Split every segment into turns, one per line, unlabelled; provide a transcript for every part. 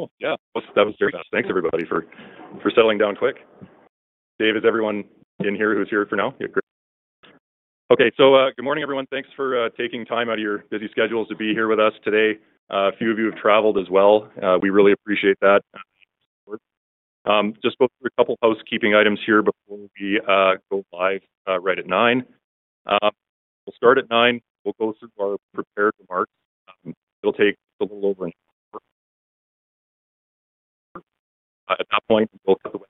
Oh, yeah. That was very nice. Thanks, everybody, for settling down quick. Dave, is everyone in here who's here for now? Yeah, great. Okay, so good morning, everyone. Thanks for taking time out of your busy schedules to be here with us today. A few of you have traveled as well. We really appreciate that. Just a couple of housekeeping items here before we go live right at 9:00 A.M. We'll start at 9:00 A.M. We'll go through our prepared remarks. It'll take a little over an hour. At that point, we'll have the.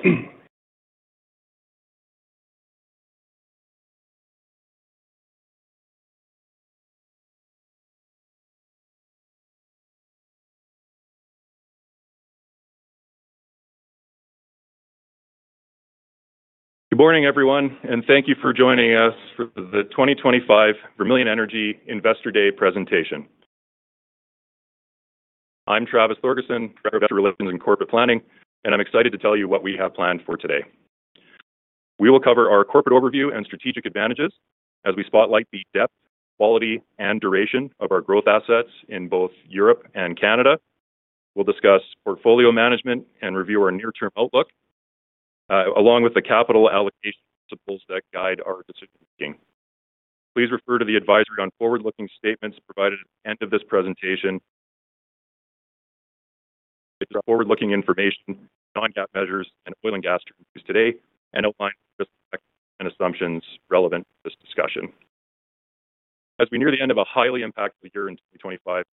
Good morning, everyone, and thank you for joining us for the 2025 Vermilion Energy Investor Day presentation. I'm Travis Ferguson, Director, Investor Relations and Corporate Planning, and I'm excited to tell you what we have planned for today. We will cover our corporate overview and strategic advantages as we spotlight the depth, quality, and duration of our growth assets in both Europe and Canada. We'll discuss portfolio management and review our near-term outlook, along with the capital allocation principles that guide our decision-making. Please refer to the advisory on forward-looking statements provided at the end of this presentation. It's forward-looking information on non-GAAP measures and oil and gas transfers today and outlines risk factors and assumptions relevant to this discussion. As we near the end of a highly impactful year in 2025,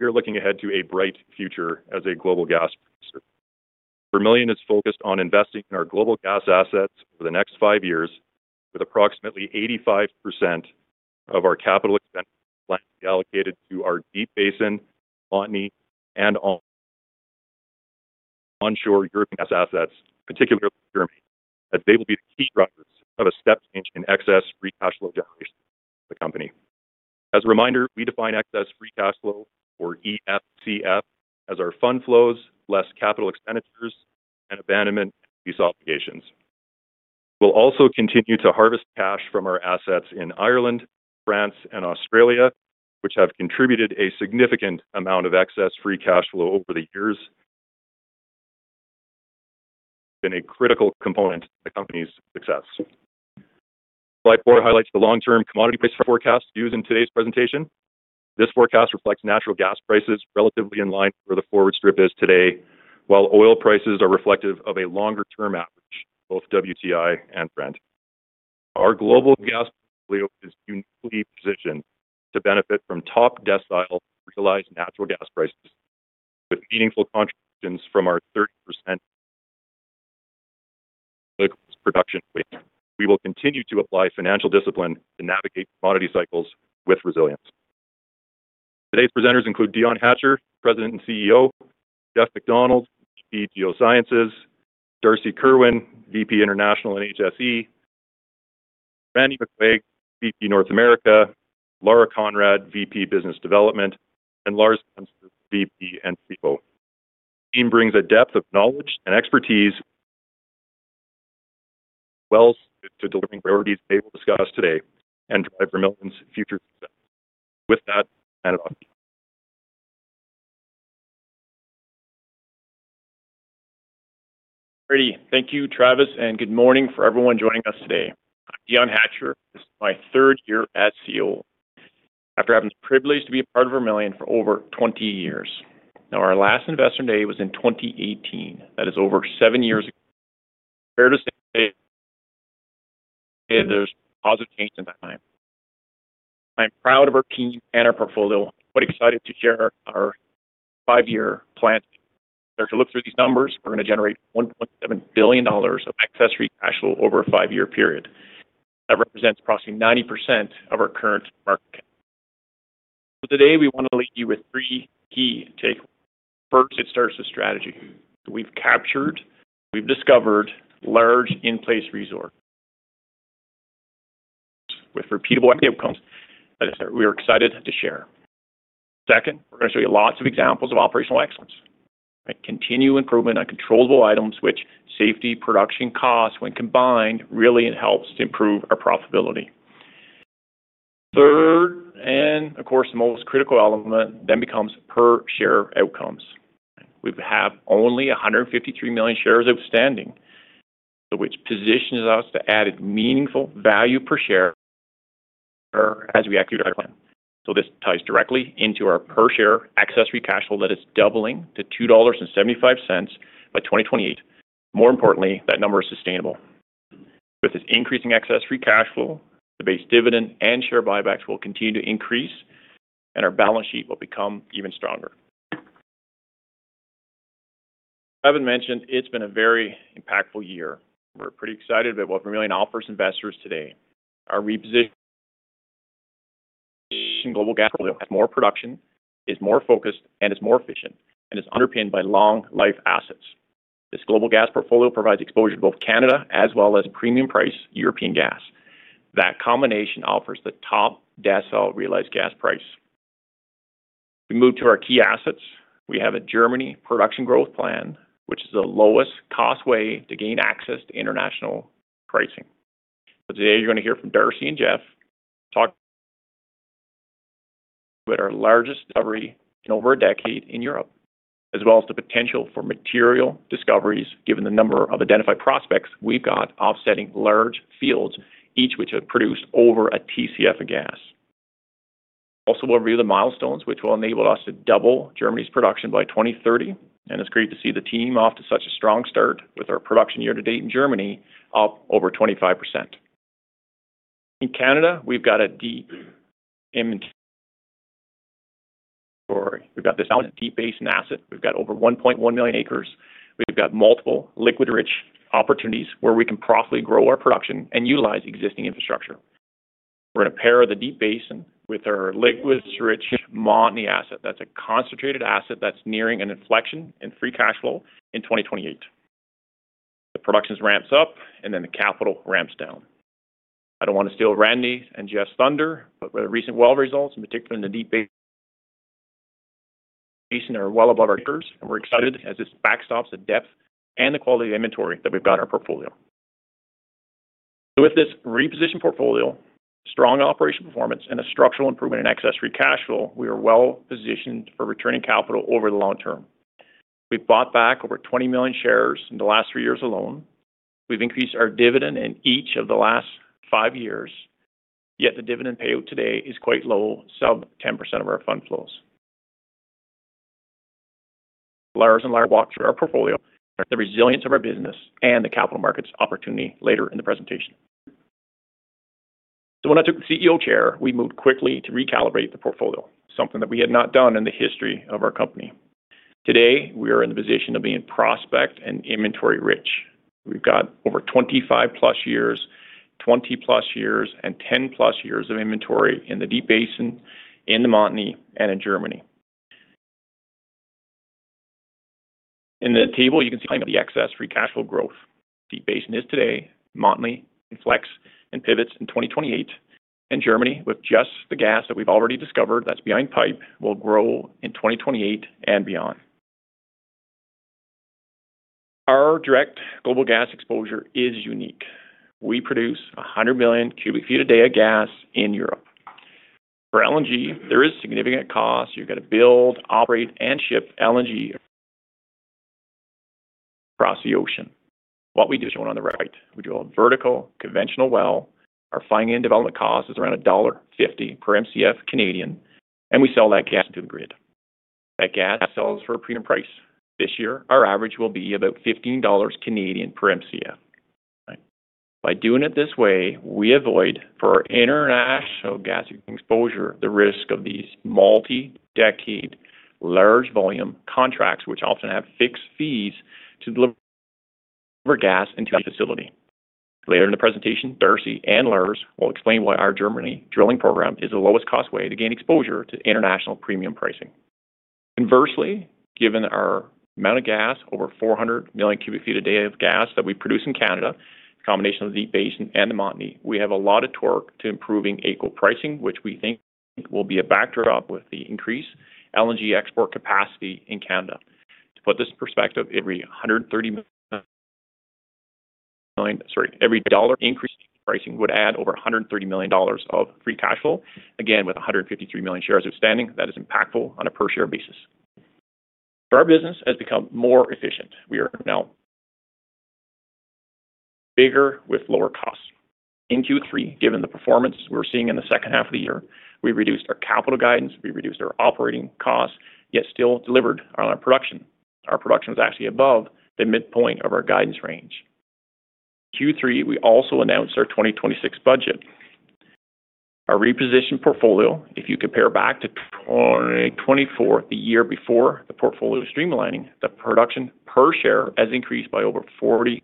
we are looking ahead to a bright future as a global gas producer. Vermilion is focused on investing in our global gas assets over the next five years, with approximately 85% of our capital expenditure planned to be allocated to our Deep Basin, Montney, and onshore European gas assets, particularly Germany, as they will be the key drivers of a step change in excess free cash flow generation for the company. As a reminder, we define excess free cash flow, or EFCF, as our fund flows, less capital expenditures, and abandonment and lease obligations. We'll also continue to harvest cash from our assets in Ireland, France, and Australia, which have contributed a significant amount of excess free cash flow over the years. It's been a critical component of the company's success. The slide four highlights the long-term commodity price forecast used in today's presentation. This forecast reflects natural gas prices relatively in line with where the forward strip is today, while oil prices are reflective of a longer-term average, both WTI and Brent. Our global gas portfolio is uniquely positioned to benefit from top decile realized natural gas prices, with meaningful contributions from our 30% production. We will continue to apply financial discipline to navigate commodity cycles with resilience. Today's presenters include Dion Hatcher, President and CEO, Geoff MacDonald, VP Geosciences, Darcy Kerwin, VP International and HSE, Randy McQuaig, VP North America, Lara Conrad, VP Business Development, and Lars Glemser, VP and CFO. The team brings a depth of knowledge and expertise well suited to delivering priorities they will discuss today and drive Vermilion's future success. With that, I'll hand it off to you.
Great. Thank you, Travis, and good morning for everyone joining us today. I'm Dion Hatcher. This is my third year as CEO after having the privilege to be a part of Vermilion for over 20 years. Now, our last Investor Day was in 2018. That is over seven years ago. I'm proud to say today there's positive change in that time. I'm proud of our team and our portfolio. I'm quite excited to share our five-year plan today. After looking through these numbers, we're going to generate 1.7 billion dollars of excess free cash flow over a five-year period. That represents approximately 90% of our current market cap. So today, we want to leave you with three key takeaways. First, it starts with strategy. We've captured, we've discovered large in-place resources with repeatable idea outcomes that we are excited to share. Second, we're going to show you lots of examples of operational excellence. Continued improvement on controllable items, which safety production costs when combined really helps to improve our profitability. Third, and of course, the most critical element then becomes per-share outcomes. We have only 153 million shares outstanding, which positions us to add meaningful value per share as we execute our plan. So this ties directly into our per-share excess free cash flow that is doubling to 2.75 dollars by 2028. More importantly, that number is sustainable. With this increasing excess free cash flow, the base dividend and share buybacks will continue to increase, and our balance sheet will become even stronger. As I mentioned, it's been a very impactful year. We're pretty excited about what Vermilion offers investors today. Our repositioning global gas portfolio has more production, is more focused, and is more efficient, and is underpinned by long-life assets. This global gas portfolio provides exposure to both Canada as well as premium-priced European gas. That combination offers the top decile realized gas price. We move to our key assets. We have a Germany production growth plan, which is the lowest cost way to gain access to international pricing, so today, you're going to hear from Darcy and Geff talking about our largest discovery in over a decade in Europe, as well as the potential for material discoveries, given the number of identified prospects we've got offsetting large fields, each which have produced over a TCF of gas. Also, we'll review the milestones which will enable us to double Germany's production by 2030, and it's great to see the team off to such a strong start with our production year to date in Germany, up over 25%. In Canada, we've got a Deep Basin asset. We've got over 1.1 million acres. We've got multiple liquid-rich opportunities where we can profitably grow our production and utilize existing infrastructure. We're going to pair the Deep Basin with our liquid-rich Montney asset. That's a concentrated asset that's nearing an inflection in free cash flow in 2028. The production ramps up, and then the capital ramps down. I don't want to steal Randy's and Geff's thunder, but with recent well results, in particular in the Deep Basin, are well above our peers. And we're excited as this backstops the depth and the quality of inventory that we've got in our portfolio. With this repositioned portfolio, strong operational performance, and a structural improvement in Excess Free Cash Flow, we are well positioned for returning capital over the long term. We've bought back over 20 million shares in the last three years alone. We've increased our dividend in each of the last five years, yet the dividend payout today is quite low, sub 10% of our fund flows. Lars and Lara walked through our portfolio, the resilience of our business, and the capital markets opportunity later in the presentation. So when I took the CEO chair, we moved quickly to recalibrate the portfolio, something that we had not done in the history of our company. Today, we are in the position of being prospect and inventory rich. We've got over 25+ years, 20+ years, and 10+ years of inventory in the Deep Basin, in the Montney, and in Germany. In the table, you can see the Excess Free Cash Flow growth. Deep Basin is today, Montney inflects, and pivots in 2028. In Germany, with just the gas that we've already discovered that's behind pipe, we'll grow in 2028 and beyond. Our direct global gas exposure is unique. We produce 100 million cu ft a day of gas in Europe. For LNG, there is significant cost. You've got to build, operate, and ship LNG across the ocean. What we do is shown on the right. We do a vertical conventional well. Our finding and development cost is around dollar 1.50 per MCF Canadian, and we sell that gas to the grid. That gas sells for a premium price. This year, our average will be about 15 Canadian dollars Canadian per MCF. By doing it this way, we avoid, for our international gas exposure, the risk of these multi-decade large volume contracts, which often have fixed fees to deliver gas into a facility. Later in the presentation, Darcy and Lars will explain why our Germany drilling program is the lowest cost way to gain exposure to international premium pricing. Conversely, given our amount of gas, over 400 million cu ft a day of gas that we produce in Canada, a combination of the Deep Basin and the Montney, we have a lot of torque to improving AECO pricing, which we think will be a backdrop with the increased LNG export capacity in Canada. To put this in perspective, every dollar increased pricing would add over 130 million dollars of free cash flow, again with 153 million shares outstanding. That is impactful on a per-share basis. Our business has become more efficient. We are now bigger with lower costs. In Q3, given the performance we're seeing in the second half of the year, we reduced our capital guidance. We reduced our operating costs, yet still delivered on our production. Our production was actually above the midpoint of our guidance range. In Q3, we also announced our 2026 budget. Our repositioned portfolio, if you compare back to 2024, the year before the portfolio streamlining, the production per share has increased by over 40%,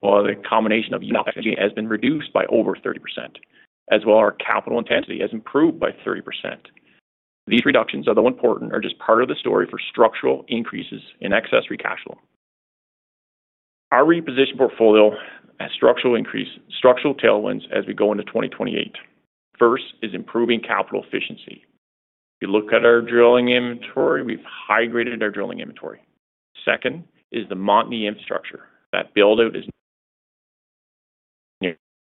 while the combination of unit activity has been reduced by over 30%, as well as our capital intensity has improved by 30%. These reductions, although important, are just part of the story for structural increases in excess free cash flow. Our repositioned portfolio has structural increases, structural tailwinds as we go into 2028. First is improving capital efficiency. If you look at our drilling inventory, we've high-graded our drilling inventory. Second is the Montney infrastructure. That build-out is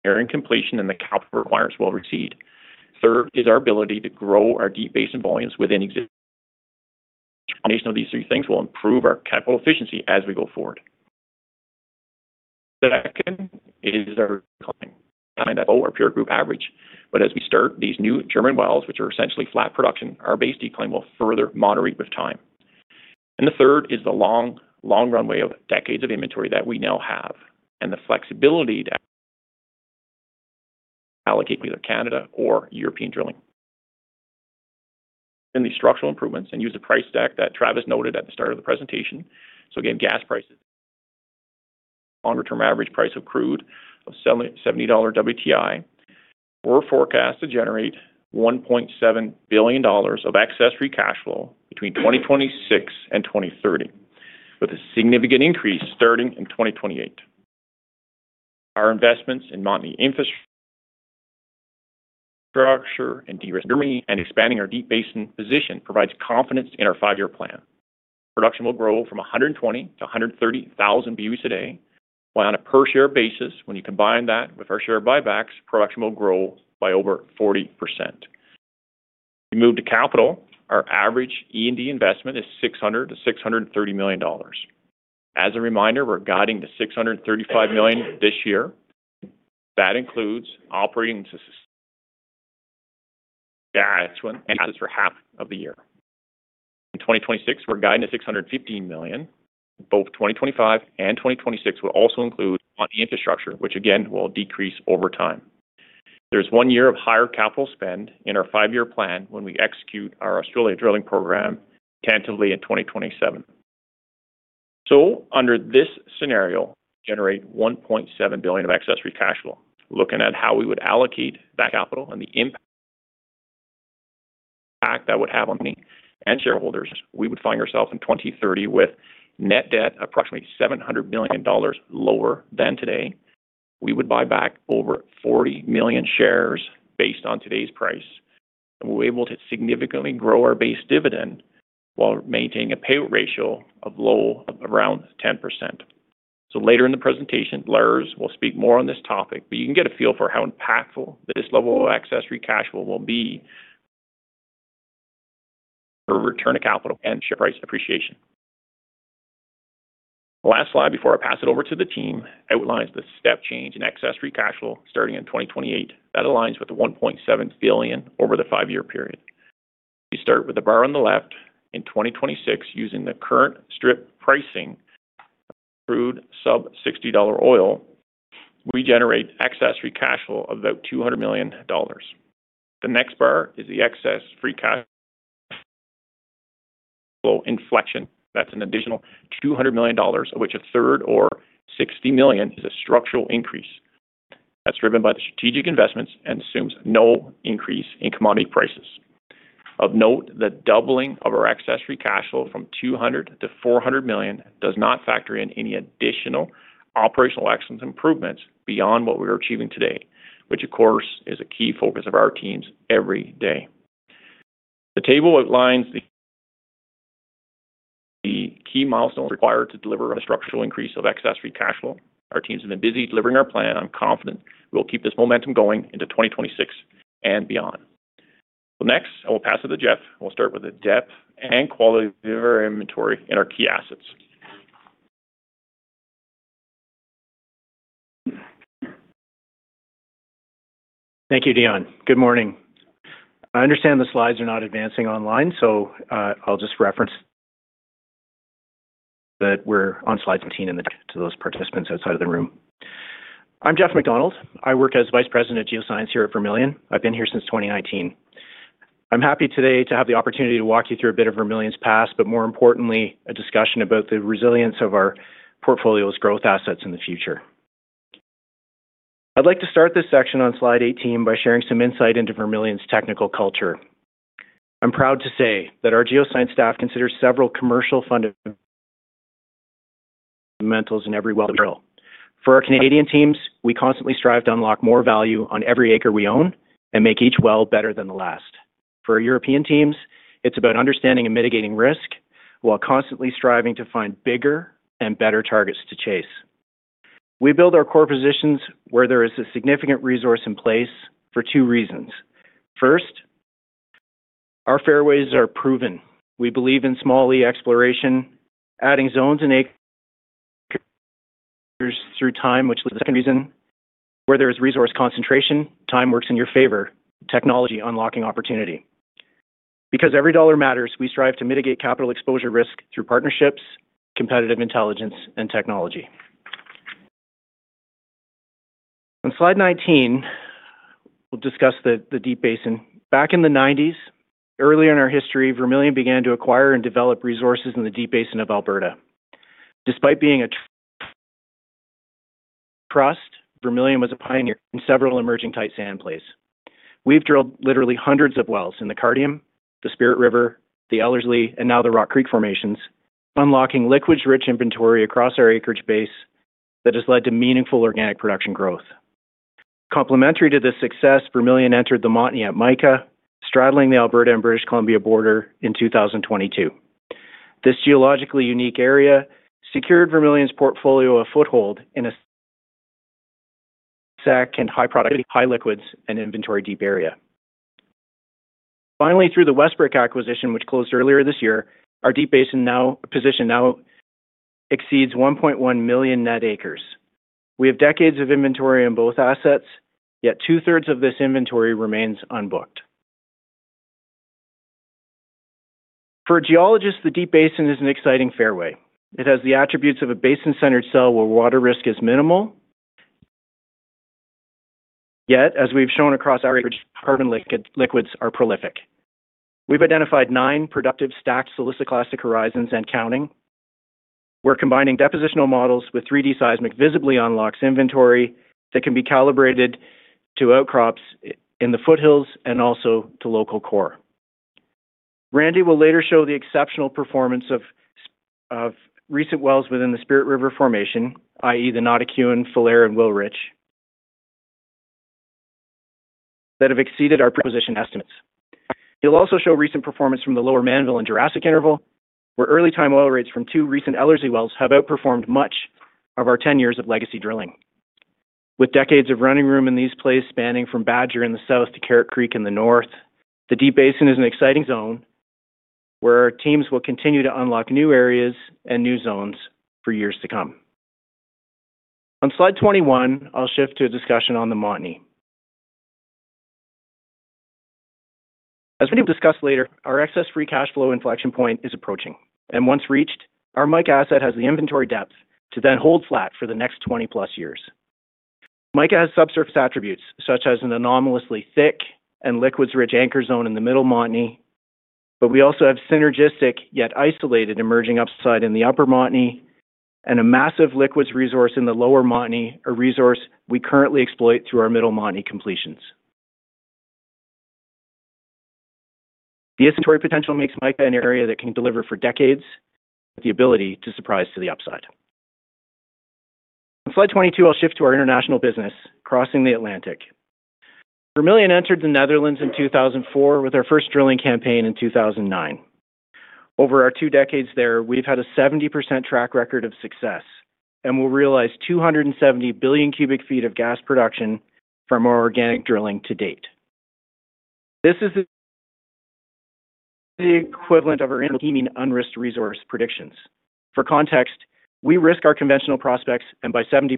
nearing completion, and the capital requirements will recede. Third is our ability to grow our Deep Basin volumes within existing combination. These three things will improve our capital efficiency as we go forward. Second is our decline. Our peer group average, but as we start these new German wells, which are essentially flat production, our base decline will further moderate with time, and the third is the long, long runway of decades of inventory that we now have and the flexibility to allocate either Canada or European drilling, then the structural improvements and use the price stack that Travis noted at the start of the presentation, so again, gas prices, longer-term average price of crude of 70 dollar WTI were forecast to generate $1.7 billion of excess free cash flow between 2026 and 2030, with a significant increase starting in 2028. Our investments in Montney infrastructure and expanding our Deep Basin position provides confidence in our five-year plan. Production will grow from 120,000-130,000 BOE a day, while on a per-share basis, when you combine that with our share buybacks, production will grow by over 40%. We moved to capital. Our average E&D investment is 600 million-630 million dollars. As a reminder, we're guiding to 635 million this year. That includes operating gas for half of the year. In 2026, we're guiding to 615 million. Both 2025 and 2026 will also include Montney infrastructure, which again will decrease over time. There's one year of higher capital spend in our five-year plan when we execute our Australia drilling program tentatively in 2027. So under this scenario, we generate 1.7 billion of excess free cash flow. Looking at how we would allocate that capital and the impact that would have on monthly and shareholders, we would find ourselves in 2030 with net debt approximately 700 million dollars lower than today. We would buy back over 40 million shares based on today's price. We're able to significantly grow our base dividend while maintaining a payout ratio as low as around 10%. So later in the presentation, Lars will speak more on this topic, but you can get a feel for how impactful this level of excess free cash flow will be for return to capital and share price appreciation. Last slide before I pass it over to the team outlines the step change in excess free cash flow starting in 2028 that aligns with the 1.7 billion over the five-year period. We start with the bar on the left. In 2026, using the current strip pricing of crude sub CAD 60 oil, we generate excess free cash flow of about 200 million dollars. The next bar is the excess free cash flow inflection. That's an additional $200 million, of which a third or 60 million is a structural increase. That's driven by the strategic investments and assumes no increase in commodity prices. Of note, the doubling of our excess free cash flow from 200 million-400 million does not factor in any additional operational excellence improvements beyond what we are achieving today, which, of course, is a key focus of our teams every day. The table outlines the key milestones required to deliver a structural increase of excess free cash flow. Our teams have been busy delivering our plan. I'm confident we'll keep this momentum going into 2026 and beyond. So next, I will pass it to Geff. We'll start with the depth and quality of our inventory and our key assets.
Thank you, Dion. Good morning. I understand the slides are not advancing online, so I'll just reference that we're on slide 17 and to those participants outside of the room. I'm Geoff MacDonald. I work as Vice President of Geoscience here at Vermilion. I've been here since 2019. I'm happy today to have the opportunity to walk you through a bit of Vermilion's past, but more importantly, a discussion about the resilience of our portfolio's growth assets in the future. I'd like to start this section on slide 18 by sharing some insight into Vermilion's technical culture. I'm proud to say that our geoscience staff considers several commercial fundamentals in every well drill. For our Canadian teams, we constantly strive to unlock more value on every acre we own and make each well better than the last. For our European teams, it's about understanding and mitigating risk while constantly striving to find bigger and better targets to chase. We build our core positions where there is a significant resource in place for two reasons. First, our fairways are proven. We believe in small exploration, adding zones and acres through time, which is the second reason. Where there is resource concentration, time works in your favor, technology unlocking opportunity. Because every dollar matters, we strive to mitigate capital exposure risk through partnerships, competitive intelligence, and technology. On slide 19, we'll discuss the Deep Basin. Back in the 1990s, early in our history, Vermilion began to acquire and develop resources in the Deep Basin of Alberta. Despite being a trust, Vermilion was a pioneer in several emerging tight sand plays. We've drilled literally hundreds of wells in the Cardium, the Spirit River, the Ellersley, and now the Rock Creek formations, unlocking liquid-rich inventory across our acreage base that has led to meaningful organic production growth. Complementary to this success, Vermilion entered the Montney at Mica, straddling the Alberta and British Columbia border in 2022. This geologically unique area secured Vermilion's portfolio a foothold in a stacked and high productivity, high liquids, and inventory deep area. Finally, through the Westbrick acquisition, which closed earlier this year, our Deep Basin position now exceeds 1.1 million net acres. We have decades of inventory on both assets, yet two-thirds of this inventory remains unbooked. For geologists, the Deep Basin is an exciting fairway. It has the attributes of a basin-centered cell where water risk is minimal, yet, as we've shown across our acreage, carbon liquids are prolific. We've identified nine productive stacked siliciclastic horizons and counting. We're combining depositional models with 3D seismic visibly unlocks inventory that can be calibrated to outcrops in the foothills and also to local core. Randy will later show the exceptional performance of recent wells within the Spirit River formation, i.e., the Notikewin, Falher, and Wilrich, that have exceeded our pre-positioned estimates. He'll also show recent performance from the Lower Mannville and Jurassic interval, where early-time oil rates from two recent Ellersley wells have outperformed much of our 10 years of legacy drilling. With decades of running room in these plays spanning from Badger in the south to Carrot Creek in the north, the Deep Basin is an exciting zone where our teams will continue to unlock new areas and new zones for years to come. On slide 21, I'll shift to a discussion on the Montney. As we discussed later, our excess free cash flow inflection point is approaching, and once reached, our Mica asset has the inventory depth to then hold flat for the next 20-plus years. Mica has subsurface attributes such as an anomalously thick and liquids-rich anchor zone in the Middle Montney, but we also have synergistic yet isolated emerging upside in the Upper Montney and a massive liquids resource in the Lower Montney, a resource we currently exploit through our Middle Montney completions. The inventory potential makes Mica an area that can deliver for decades with the ability to surprise to the upside. On slide 22, I'll shift to our international business crossing the Atlantic. Vermilion entered the Netherlands in 2004 with our first drilling campaign in 2009. Over our two decades there, we've had a 70% track record of success and will realize 270 billion cu ft of gas production from our organic drilling to date. This is the equivalent of our inner team in unrisked resource predictions. For context, we risk our conventional prospects, and by 70%,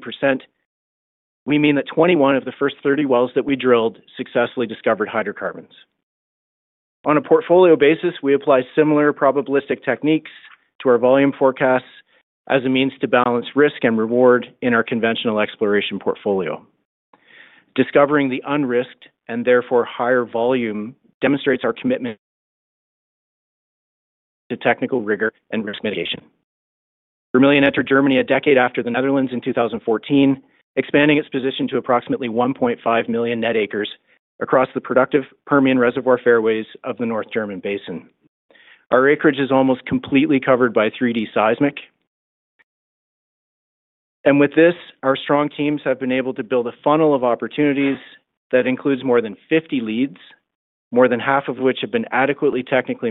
we mean that 21 of the first 30 wells that we drilled successfully discovered hydrocarbons. On a portfolio basis, we apply similar probabilistic techniques to our volume forecasts as a means to balance risk and reward in our conventional exploration portfolio. Discovering the unrisked and therefore higher volume demonstrates our commitment to technical rigor and risk mitigation. Vermilion entered Germany a decade after the Netherlands in 2014, expanding its position to approximately 1.5 million net acres across the productive Permian reservoir fairways of the North German Basin. Our acreage is almost completely covered by 3D seismic, and with this, our strong teams have been able to build a funnel of opportunities that includes more than 50 leads, more than half of which have been adequately technically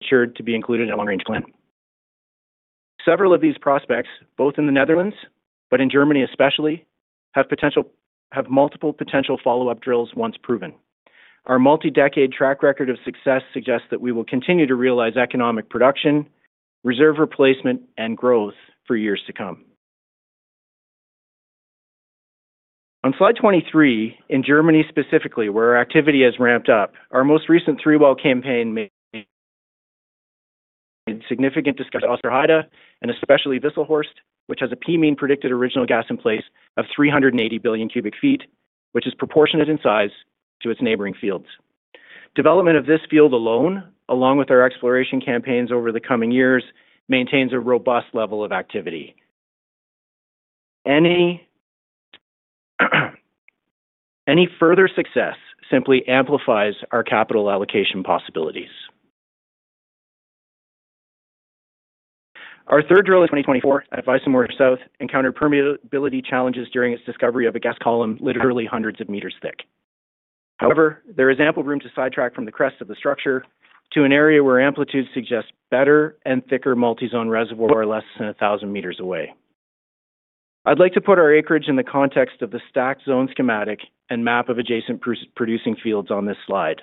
matured to be included in a long-range plan. Several of these prospects, both in the Netherlands but in Germany especially, have multiple potential follow-up drills once proven. Our multi-decade track record of success suggests that we will continue to realize economic production, reserve replacement, and growth for years to come. On slide 23, in Germany specifically, where our activity has ramped up, our most recent three-well campaign made significant discoveries at Osterheide and especially Wisselshorst, which has a P mean predicted original gas in place of 380 billion cu ft, which is proportionate in size to its neighboring fields. Development of this field alone, along with our exploration campaigns over the coming years, maintains a robust level of activity. Any further success simply amplifies our capital allocation possibilities. Our third drill in 2024 at Weissenmoor South encountered permeability challenges during its discovery of a gas column literally hundreds of meters thick. However, there is ample room to sidetrack from the crest of the structure to an area where amplitudes suggest better and thicker multi-zone reservoirs less than 1,000 meters away. I'd like to put our acreage in the context of the stacked zone schematic and map of adjacent producing fields on this slide.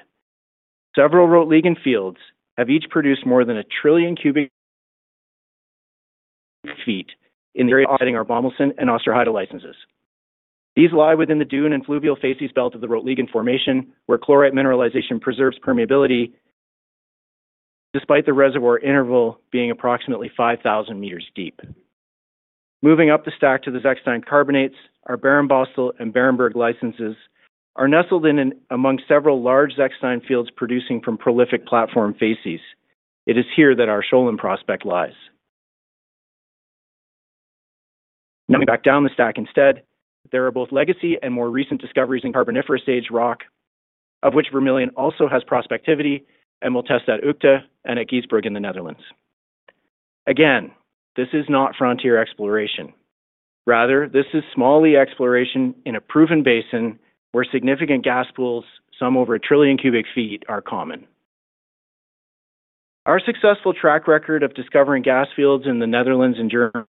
Several Rotliegend fields have each produced more than a trillion cu ft in the area outside our Bommelsen and Osterheide licenses. These lie within the dune and fluvial facies belt of the Rotliegend formation, where chlorite mineralization preserves permeability despite the reservoir interval being approximately 5,000m deep. Moving up the stack to the Zechstein carbonates, our Bahrenborstel and Barenburg licenses are nestled in among several large Zechstein fields producing from prolific platform facies. It is here that our Scholen prospect lies. Coming back down the stack instead, there are both legacy and more recent discoveries in Carboniferous age rock, of which Vermilion also has prospectivity and will test at Uchte and at Geesbrug in the Netherlands. Again, this is not frontier exploration. Rather, this is small exploration in a proven basin where significant gas pools, some over a trillion cu ft, are common. Our successful track record of discovering gas fields in the Netherlands and Germany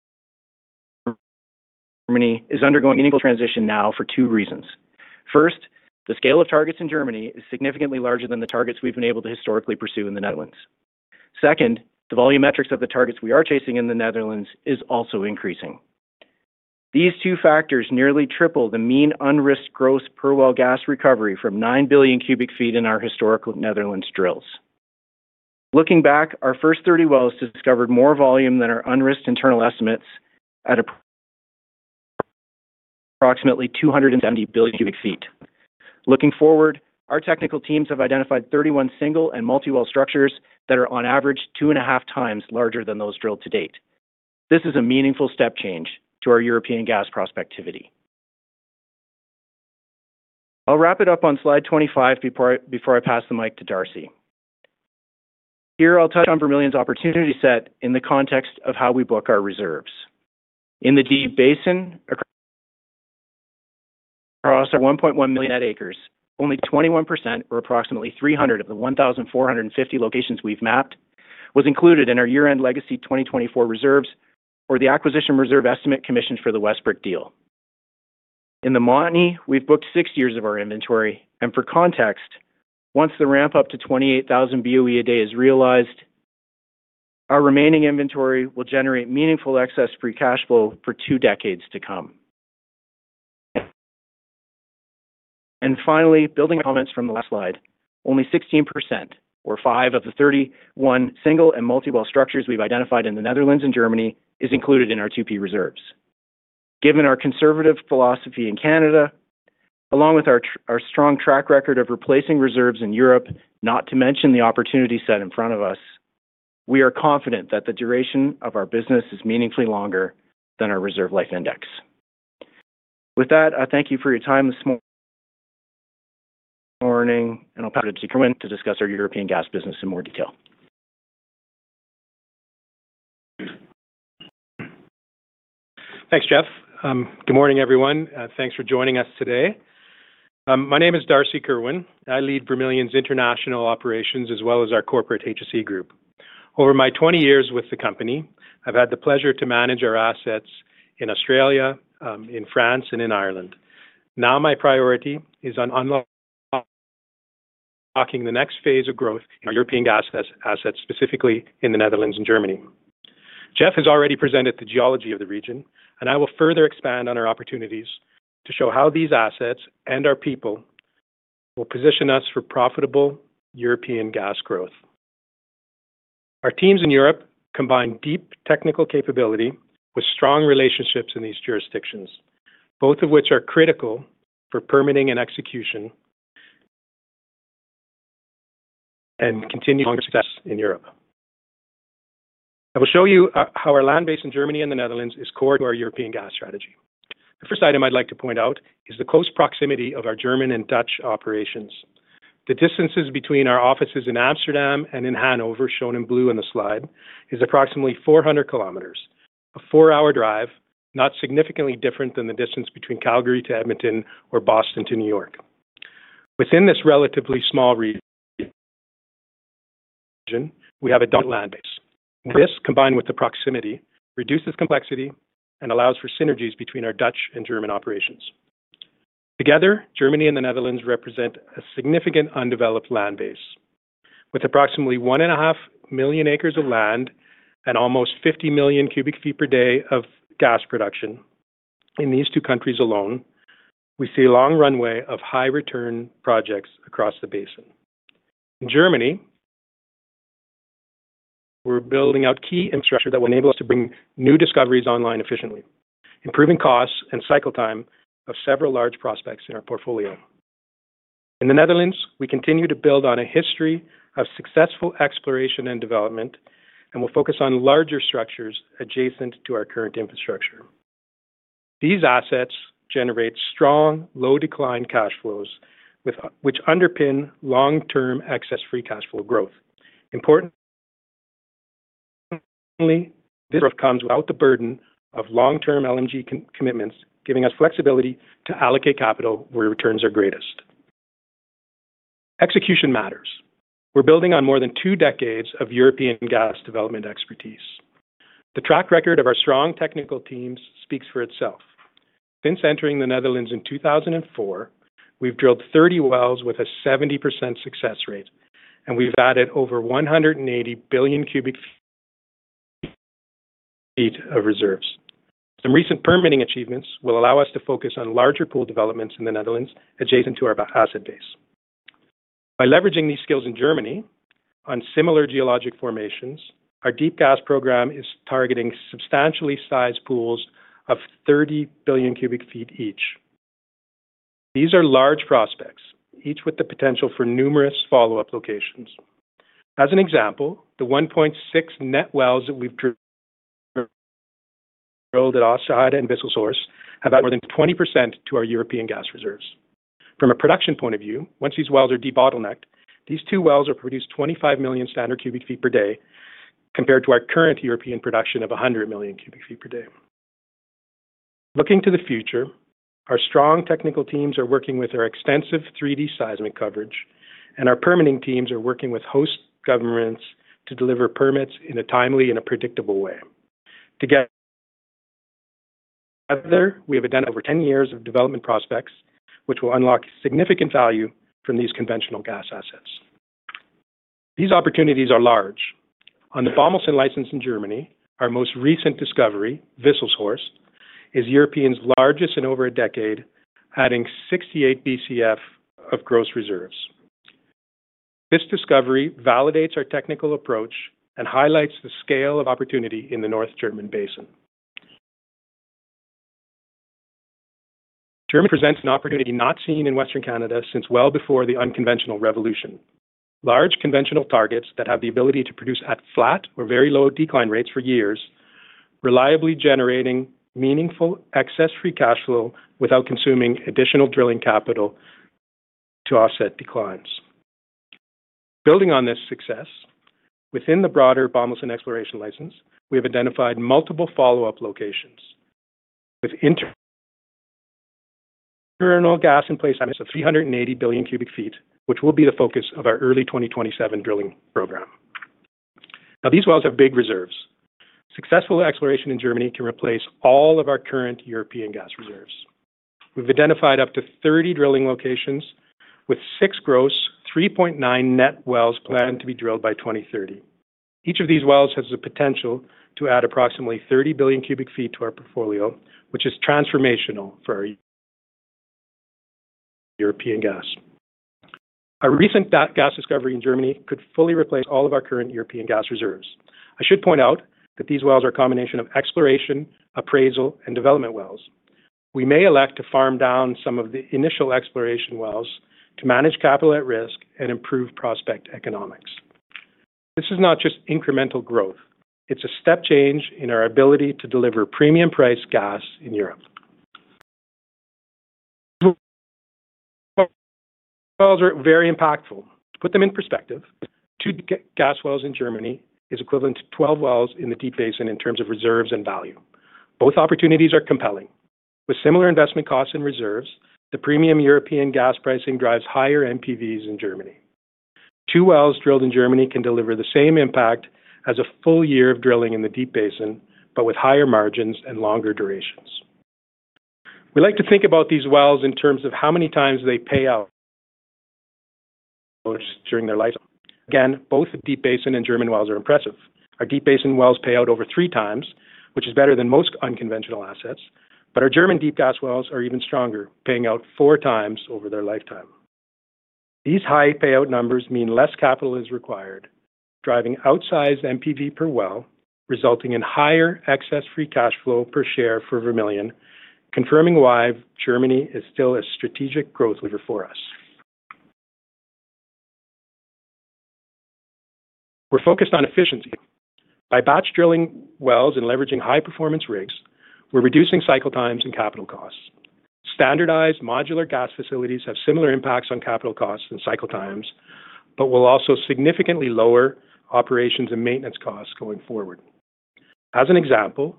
is undergoing an unequal transition now for two reasons. First, the scale of targets in Germany is significantly larger than the targets we've been able to historically pursue in the Netherlands. Second, the volume metrics of the targets we are chasing in the Netherlands is also increasing. These two factors nearly triple the mean unrisked gross per well gas recovery from nine billion cu ft in our historical Netherlands drills. Looking back, our first 30 wells discovered more volume than our unrisked internal estimates at approximately 270 billion cu ft. Looking forward, our technical teams have identified 31 single and multi-well structures that are on average two and a half times larger than those drilled to date. This is a meaningful step change to our European gas prospectivity. I'll wrap it up on slide 25 before I pass the mic to Darcy. Here, I'll touch on Vermilion's opportunity set in the context of how we book our reserves. In the Deep Basin, across our 1.1 million net acres, only 21%, or approximately 300 of the 1,450 locations we've mapped, was included in our year-end legacy 2024 reserves or the acquisition reserve estimate commissioned for the Westbrick deal. In the Montney, we've booked six years of our inventory. For context, once the ramp up to 28,000 BOE a day is realized, our remaining inventory will generate meaningful excess free cash flow for two decades to come. Finally, building on comments from the last slide, only 16%, or five of the 31 single and multi-well structures we've identified in the Netherlands and Germany, is included in our 2P reserves. Given our conservative philosophy in Canada, along with our strong track record of replacing reserves in Europe, not to mention the opportunity set in front of us, we are confident that the duration of our business is meaningfully longer than our reserve life index. With that, I thank you for your time this morning, and I'll pass it to Darcy to discuss our European gas business in more detail.
Thanks, Geff. Good morning, everyone. Thanks for joining us today. My name is Darcy Kerwin. I lead Vermilion's international operations as well as our corporate HSE group. Over my 20 years with the company, I've had the pleasure to manage our assets in Australia, in France, and in Ireland. Now my priority is unlocking the next phase of growth in our European gas assets, specifically in the Netherlands and Germany. Geff has already presented the geology of the region, and I will further expand on our opportunities to show how these assets and our people will position us for profitable European gas growth. Our teams in Europe combine deep technical capability with strong relationships in these jurisdictions, both of which are critical for permitting and execution and continuing success in Europe. I will show you how our land base in Germany and the Netherlands is core to our European gas strategy. The first item I'd like to point out is the close proximity of our German and Dutch operations. The distances between our offices in Amsterdam and in Hanover, shown in blue on the slide, is approximately 400 km, a four-hour drive, not significantly different than the distance between Calgary to Edmonton or Boston to New York. Within this relatively small region, we have a dominant land base. This, combined with the proximity, reduces complexity and allows for synergies between our Dutch and German operations. Together, Germany and the Netherlands represent a significant undeveloped land base. With approximately 1.5 million acres of land and almost 50 million cu ft per day of gas production in these two countries alone, we see a long runway of high-return projects across the basin. In Germany, we're building out key infrastructure that will enable us to bring new discoveries online efficiently, improving costs and cycle time of several large prospects in our portfolio. In the Netherlands, we continue to build on a history of successful exploration and development and will focus on larger structures adjacent to our current infrastructure. These assets generate strong, low-decline cash flows, which underpin long-term excess free cash flow growth. Importantly, this growth comes without the burden of long-term LNG commitments, giving us flexibility to allocate capital where returns are greatest. Execution matters. We're building on more than two decades of European gas development expertise. The track record of our strong technical teams speaks for itself. Since entering the Netherlands in 2004, we've drilled 30 wells with a 70% success rate, and we've added over 180 billion cu ft of reserves. Some recent permitting achievements will allow us to focus on larger pool developments in the Netherlands adjacent to our asset base. By leveraging these skills in Germany on similar geologic formations, our deep gas program is targeting substantially sized pools of 30 billion cu ft each. These are large prospects, each with the potential for numerous follow-up locations. As an example, the 1.6 net wells that we've drilled at Osterheide and Wisselshorst have added more than 20% to our European gas reserves. From a production point of view, once these wells are debottlenecked, these two wells will produce 25 million standard cu ft per day compared to our current European production of 100 million cu ft per day. Looking to the future, our strong technical teams are working with our extensive 3D seismic coverage, and our permitting teams are working with host governments to deliver permits in a timely and a predictable way. Together, we have identified over 10 years of development prospects, which will unlock significant value from these conventional gas assets. These opportunities are large. On the Bommelsen license in Germany, our most recent discovery, Wisselshorst, is Europe's largest in over a decade, adding 68 BCF of gross reserves. This discovery validates our technical approach and highlights the scale of opportunity in the North German Basin. Germany presents an opportunity not seen in Western Canada since well before the unconventional revolution. Large conventional targets that have the ability to produce at flat or very low decline rates for years, reliably generating meaningful excess free cash flow without consuming additional drilling capital to offset declines. Building on this success, within the broader Bommelsen exploration license, we have identified multiple follow-up locations with in-place gas of 380 billion cu ft, which will be the focus of our early 2027 drilling program. Now, these wells have big reserves. Successful exploration in Germany can replace all of our current European gas reserves. We've identified up to 30 drilling locations with six gross, 3.9 net wells planned to be drilled by 2030. Each of these wells has the potential to add approximately 30 billion cu ft to our portfolio, which is transformational for our European gas. Our recent gas discovery in Germany could fully replace all of our current European gas reserves. I should point out that these wells are a combination of exploration, appraisal, and development wells. We may elect to farm down some of the initial exploration wells to manage capital at risk and improve prospect economics. This is not just incremental growth. It's a step change in our ability to deliver premium-priced gas in Europe. These wells are very impactful. To put them in perspective, two gas wells in Germany is equivalent to 12 wells in the Deep Basin in terms of reserves and value. Both opportunities are compelling. With similar investment costs and reserves, the premium European gas pricing drives higher NPVs in Germany. Two wells drilled in Germany can deliver the same impact as a full year of drilling in the Deep Basin, but with higher margins and longer durations. We like to think about these wells in terms of how many times they pay out during their lifetime. Again, both Deep Basin and German wells are impressive. Our Deep Basin wells pay out over three times, which is better than most unconventional assets, but our German deep gas wells are even stronger, paying out four times over their lifetime. These high payout numbers mean less capital is required, driving outsized MPV per well, resulting in higher excess free cash flow per share for Vermilion, confirming why Germany is still a strategic growth lever for us. We're focused on efficiency. By batch drilling wells and leveraging high-performance rigs, we're reducing cycle times and capital costs. Standardized modular gas facilities have similar impacts on capital costs and cycle times, but will also significantly lower operations and maintenance costs going forward. As an example,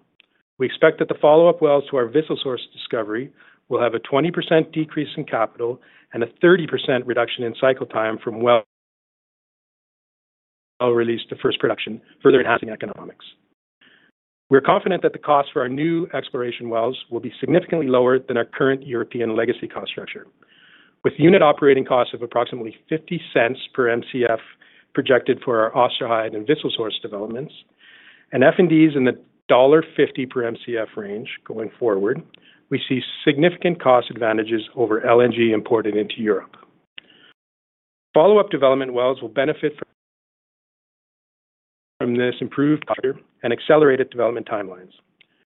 we expect that the follow-up wells to our Wisselshorst discovery will have a 20% decrease in capital and a 30% reduction in cycle time from well release to first production, further enhancing economics. We're confident that the costs for our new exploration wells will be significantly lower than our current European legacy cost structure. With unit operating costs of approximately 0.50 per MCF projected for our Osterheide and Wisselshorst developments, and F&Ds in the dollar 1.50 per MCF range going forward, we see significant cost advantages over LNG imported into Europe. Follow-up development wells will benefit from this improved structure and accelerated development timelines.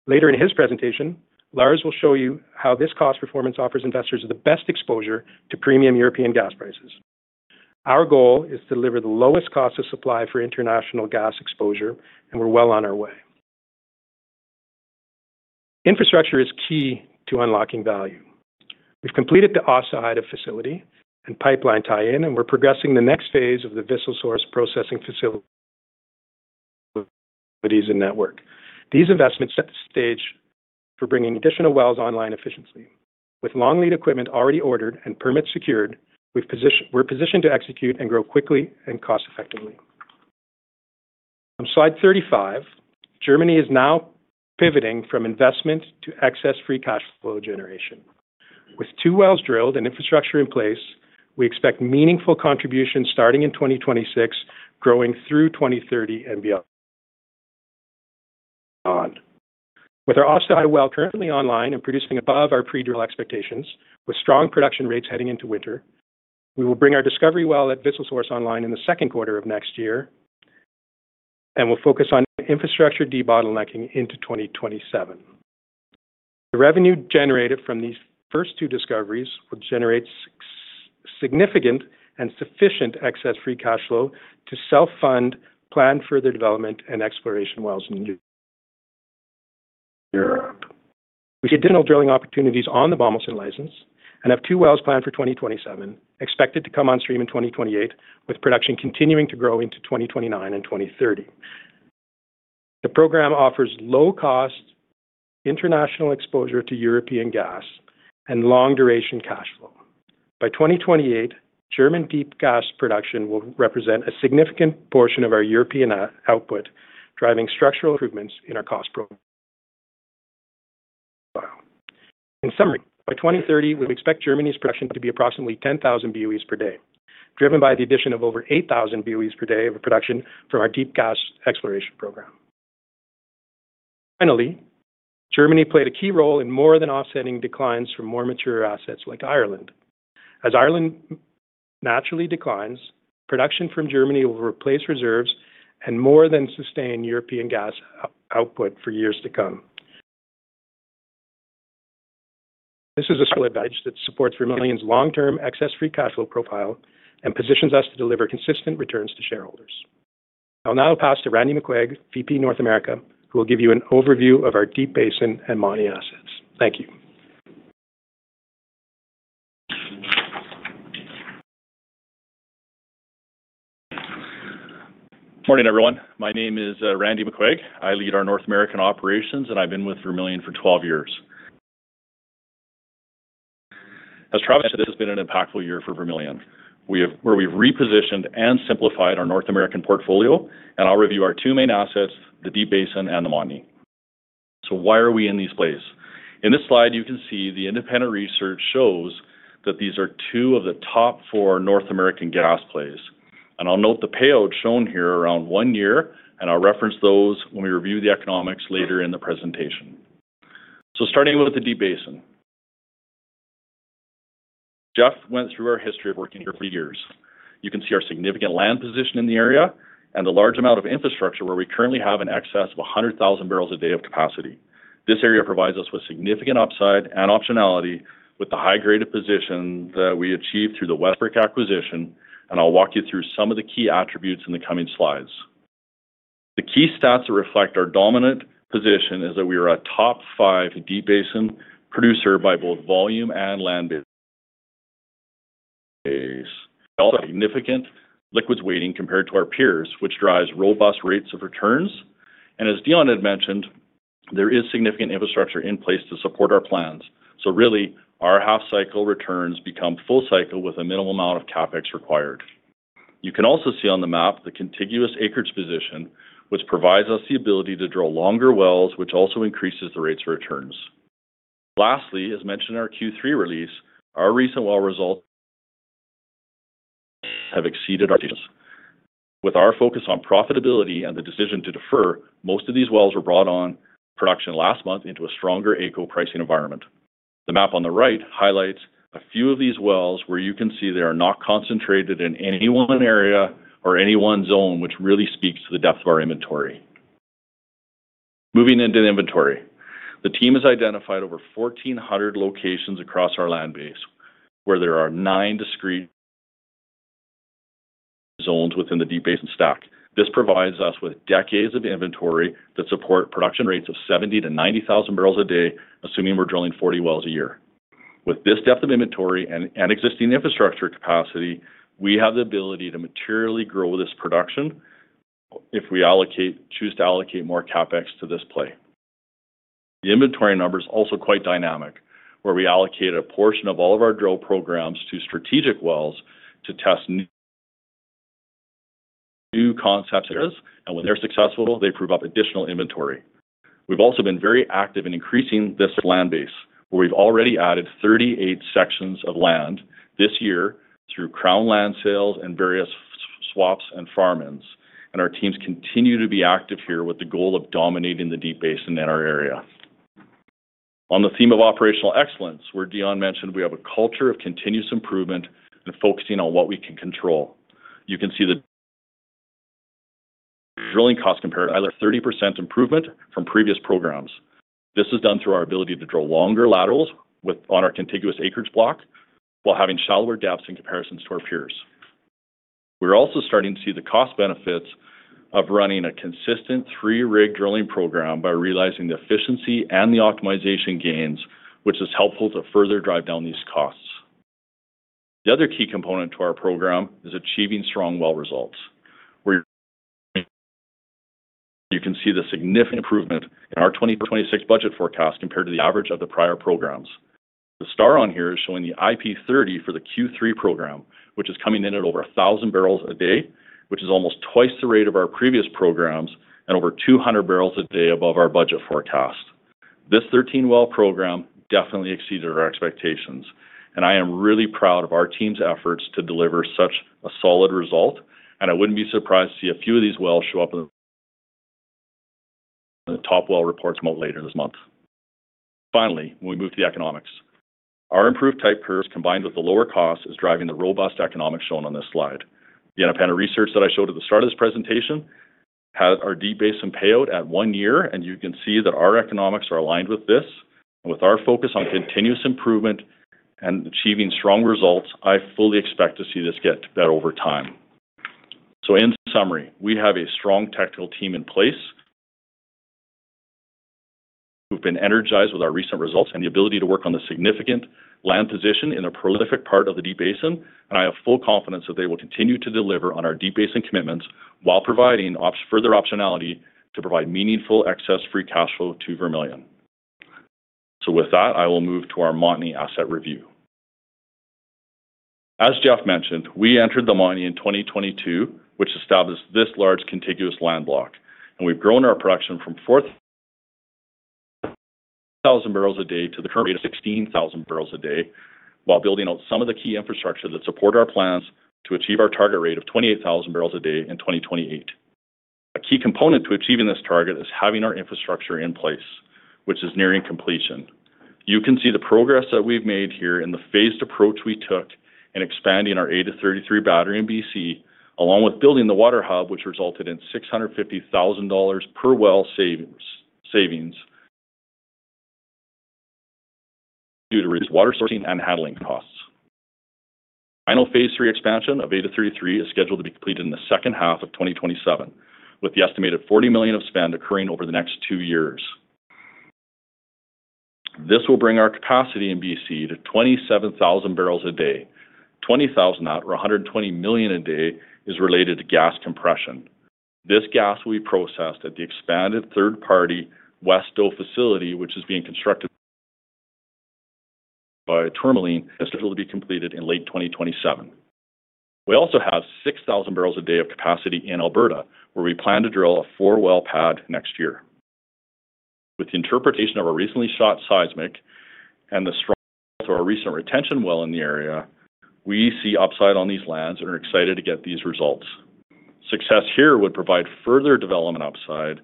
Later in his presentation, Lars will show you how this cost performance offers investors the best exposure to premium European gas prices. Our goal is to deliver the lowest cost of supply for international gas exposure, and we're well on our way. Infrastructure is key to unlocking value. We've completed the Osterheide facility and pipeline tie-in, and we're progressing the next phase of the Wisselshorst processing facilities and network. These investments set the stage for bringing additional wells online efficiently. With long lead equipment already ordered and permits secured, we're positioned to execute and grow quickly and cost-effectively. On slide 35, Germany is now pivoting from investment to excess free cash flow generation. With two wells drilled and infrastructure in place, we expect meaningful contributions starting in 2026, growing through 2030 and beyond. With our Osterheide well currently online and producing above our pre-drill expectations, with strong production rates heading into winter, we will bring our discovery well at Wisselshorst online in the second quarter of next year and will focus on infrastructure debottlenecking into 2027. The revenue generated from these first two discoveries will generate significant and sufficient excess free cash flow to self-fund planned further development and exploration wells in Europe. We have additional drilling opportunities on the Bommelsen license and have two wells planned for 2027, expected to come on stream in 2028, with production continuing to grow into 2029 and 2030. The program offers low-cost international exposure to European gas and long-duration cash flow. By 2028, German deep gas production will represent a significant portion of our European output, driving structural improvements in our cost profile. In summary, by 2030, we expect Germany's production to be approximately 10,000 BOEs per day, driven by the addition of over 8,000 BOEs per day of production from our deep gas exploration program. Finally, Germany played a key role in more than offsetting declines from more mature assets like Ireland. As Ireland naturally declines, production from Germany will replace reserves and more than sustain European gas output for years to come. This is a skill advantage that supports Vermilion's long-term excess free cash flow profile and positions us to deliver consistent returns to shareholders. I'll now pass to Randy McQuaig, VP, North America, who will give you an overview of our Deep Basin and Montney assets. Thank you.
Morning, everyone. My name is Randy McQuaig. I lead our North American operations, and I've been with Vermilion for 12 years. As Travis said, this has been an impactful year for Vermilion, where we've repositioned and simplified our North American portfolio, and I'll review our two main assets, the Deep Basin and the Montney. So why are we in these plays? In this slide, you can see the independent research shows that these are two of the top four North American gas plays. And I'll note the payout shown here around one year, and I'll reference those when we review the economics later in the presentation. So starting with the Deep Basin, Geff went through our history of working here for years. You can see our significant land position in the area and the large amount of infrastructure where we currently have an excess of 100,000 bbl a day of capacity. This area provides us with significant upside and optionality with the high-graded position that we achieved through the Westbrick acquisition, and I'll walk you through some of the key attributes in the coming slides. The key stats that reflect our dominant position is that we are a top five Deep Basin producer by both volume and land base. We also have significant liquids weighting compared to our peers, which drives robust rates of returns. And as Dion had mentioned, there is significant infrastructure in place to support our plans. So really, our half-cycle returns become full-cycle with a minimal amount of CapEx required. You can also see on the map the contiguous acreage position, which provides us the ability to drill longer wells, which also increases the rates of returns. Lastly, as mentioned in our Q3 release, our recent well results have exceeded our Deep Basin. With our focus on profitability and the decision to defer, most of these wells were brought on production last month into a stronger AECO pricing environment. The map on the right highlights a few of these wells where you can see they are not concentrated in any one area or any one zone, which really speaks to the depth of our inventory. Moving into inventory, the team has identified over 1,400 locations across our land base where there are nine discrete zones within the Deep Basin stack. This provides us with decades of inventory that support production rates of 70,000-90,000 bbl a day, assuming we're drilling 40 wells a year. With this depth of inventory and existing infrastructure capacity, we have the ability to materially grow this production if we choose to allocate more CapEx to this play. The inventory number is also quite dynamic, where we allocate a portion of all of our drill programs to strategic wells to test new concepts, and when they're successful, they prove up additional inventory. We've also been very active in increasing this land base, where we've already added 38 sections of land this year through crown land sales and various swaps and farm-ins, and our teams continue to be active here with the goal of dominating the Deep Basin in our area. On the theme of operational excellence, where Dion mentioned we have a culture of continuous improvement and focusing on what we can control. You can see the drilling cost comparison is a 30% improvement from previous programs. This is done through our ability to drill longer laterals on our contiguous acreage block while having shallower depths in comparison to our peers. We're also starting to see the cost benefits of running a consistent three-rig drilling program by realizing the efficiency and the optimization gains, which is helpful to further drive down these costs. The other key component to our program is achieving strong well results, where you can see the significant improvement in our 2026 budget forecast compared to the average of the prior programs. The star on here is showing the IP30 for the Q3 program, which is coming in at over 1,000 bbl a day, which is almost twice the rate of our previous programs and over 200 bbl a day above our budget forecast. This 13-well program definitely exceeded our expectations, and I am really proud of our team's efforts to deliver such a solid result, and I wouldn't be surprised to see a few of these wells show up in the top well reports later this month. Finally, we move to the economics. Our improved type curve combined with the lower cost is driving the robust economics shown on this slide. The independent research that I showed at the start of this presentation had our Deep Basin payout at one year, and you can see that our economics are aligned with this. With our focus on continuous improvement and achieving strong results, I fully expect to see this get better over time. So in summary, we have a strong technical team in place who've been energized with our recent results and the ability to work on the significant land position in a prolific part of the Deep Basin, and I have full confidence that they will continue to deliver on our Deep Basin commitments while providing further optionality to provide meaningful Excess Free Cash Flow to Vermilion. So with that, I will move to our Montney asset review. As Geff mentioned, we entered the Montney in 2022, which established this large contiguous land block, and we've grown our production from 4,000 bbl a day to the current rate of 16,000 bbl a day while building out some of the key infrastructure that support our plans to achieve our target rate of 28,000 bbl a day in 2028. A key component to achieving this target is having our infrastructure in place, which is nearing completion. You can see the progress that we've made here in the phased approach we took in expanding our 8-33 battery in BC, along with building the water hub, which resulted in 650,000 dollars per well savings due to reduced water sourcing and handling costs. Final phase three expansion of 8-33 is scheduled to be completed in the second half of 2027, with the estimated 40 million of spend occurring over the next two years. This will bring our capacity in BC to 27,000 bbl a day. 20,000, or 120 million a day, is related to gas compression. This gas will be processed at the expanded third-party West Doe facility, which is being constructed by Tourmaline, and scheduled to be completed in late 2027. We also have 6,000 bbl a day of capacity in Alberta, where we plan to drill a four-well pad next year. With the interpretation of our recently shot seismic and the strong results of our recent retention well in the area, we see upside on these lands and are excited to get these results. Success here would provide further development upside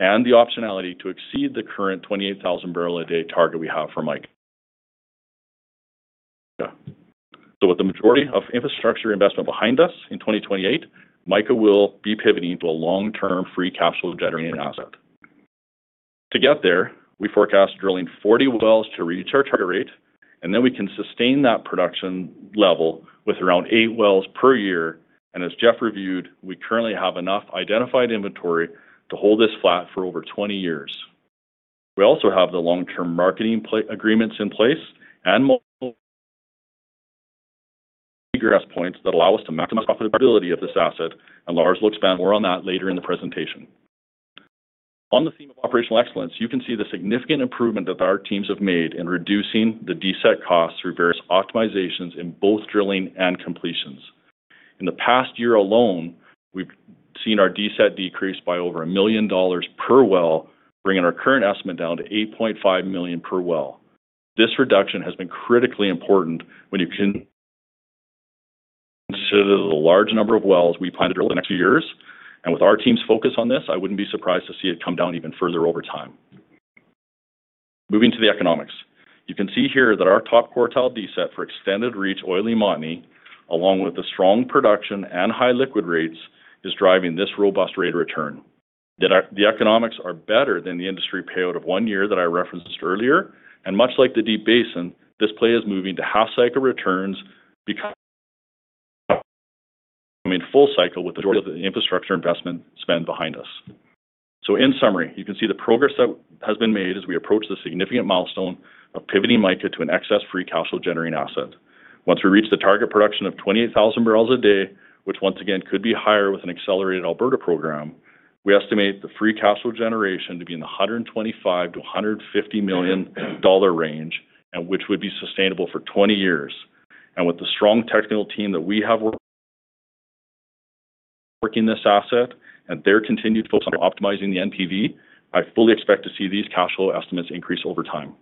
and the optionality to exceed the current 28,000 barrel a day target we have for Mica. So with the majority of infrastructure investment behind us in 2028, Mica will be pivoting to a long-term free cash flow generating asset. To get there, we forecast drilling 40 wells to reach our target rate, and then we can sustain that production level with around eight wells per year. And as Geff reviewed, we currently have enough identified inventory to hold this flat for over 20 years. We also have the long-term marketing agreements in place and multiple egress points that allow us to maximize profitability of this asset, and Lars will expand more on that later in the presentation. On the theme of operational excellence, you can see the significant improvement that our teams have made in reducing the DCET costs through various optimizations in both drilling and completions. In the past year alone, we've seen our DCET decrease by over 1 million dollars per well, bringing our current estimate down to 8.5 million per well. This reduction has been critically important when you consider the large number of wells we plan to drill in the next few years, and with our team's focus on this, I wouldn't be surprised to see it come down even further over time. Moving to the economics, you can see here that our top quartile DCET for extended reach oily Montney, along with the strong production and high liquid rates, is driving this robust rate of return. The economics are better than the industry payout of one year that I referenced earlier, and much like the Deep Basin, this play is moving to half-cycle returns because we're coming full-cycle with the infrastructure investment spend behind us. So in summary, you can see the progress that has been made as we approach the significant milestone of pivoting Mica to an Excess Free Cash Flow generating asset. Once we reach the target production of 28,000 bbl a day, which once again could be higher with an accelerated Alberta program, we estimate the free cash flow generation to be in the 125-150 million dollar range, which would be sustainable for 20 years, and with the strong technical team that we have working this asset and their continued focus on optimizing the NPV, I fully expect to see these cash flow estimates increase over time,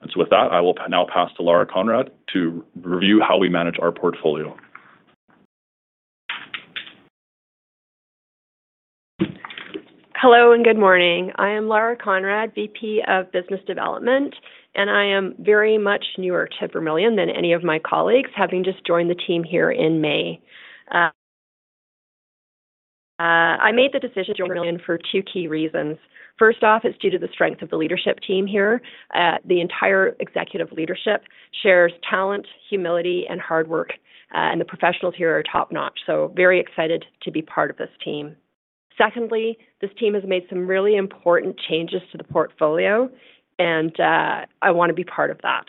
and so with that, I will now pass to Lara Conrad to review how we manage our portfolio.
Hello and good morning. I am Lara Conrad, VP of Business Development, and I am very much newer to Vermilion than any of my colleagues, having just joined the team here in May. I made the decision to join Vermilion for two key reasons. First off, it's due to the strength of the leadership team here. The entire executive leadership shares talent, humility, and hard work, and the professionals here are top-notch, so very excited to be part of this team. Secondly, this team has made some really important changes to the portfolio, and I want to be part of that.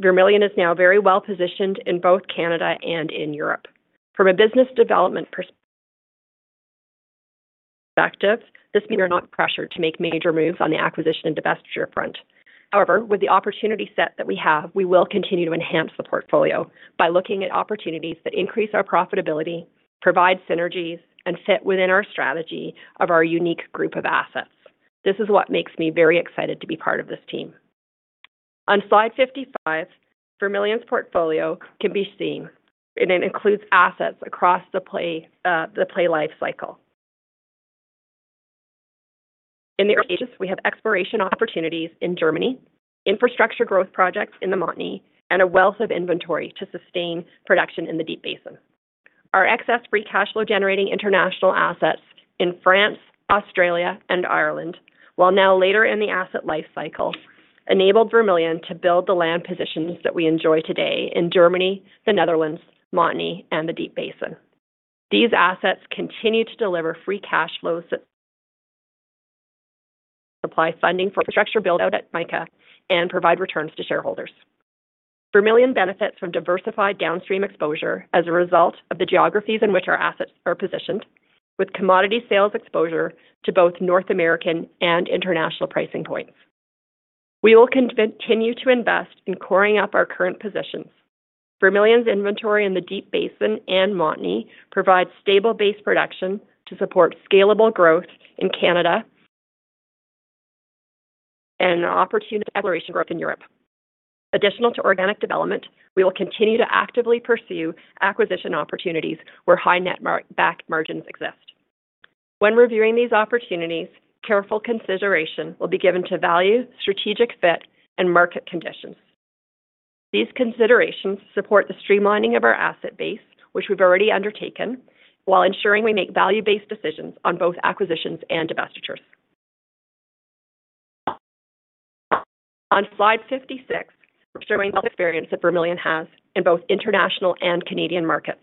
Vermilion is now very well positioned in both Canada and in Europe. From a business development perspective, this means we are not pressured to make major moves on the acquisition and divestiture front. However, with the opportunity set that we have, we will continue to enhance the portfolio by looking at opportunities that increase our profitability, provide synergies, and fit within our strategy of our unique group of assets. This is what makes me very excited to be part of this team. On slide 55, Vermilion's portfolio can be seen, and it includes assets across the play life cycle. In the early stages, we have exploration opportunities in Germany, infrastructure growth projects in the Montney, and a wealth of inventory to sustain production in the Deep Basin. Our excess free cash flow generating international assets in France, Australia, and Ireland, while now later in the asset life cycle, enabled Vermilion to build the land positions that we enjoy today in Germany, the Netherlands, Montney, and the Deep Basin. These assets continue to deliver free cash flows that supply funding for infrastructure build-out at Mica and provide returns to shareholders. Vermilion benefits from diversified downstream exposure as a result of the geographies in which our assets are positioned, with commodity sales exposure to both North American and international pricing points. We will continue to invest in coring up our current positions. Vermilion's inventory in the Deep Basin and Montney provides stable base production to support scalable growth in Canada and opportunistic exploration growth in Europe. In addition to organic development, we will continue to actively pursue acquisition opportunities where high netback margins exist. When reviewing these opportunities, careful consideration will be given to value, strategic fit, and market conditions. These considerations support the streamlining of our asset base, which we've already undertaken, while ensuring we make value-based decisions on both acquisitions and divestitures. On slide 56, we're showing the experience that Vermilion has in both international and Canadian markets.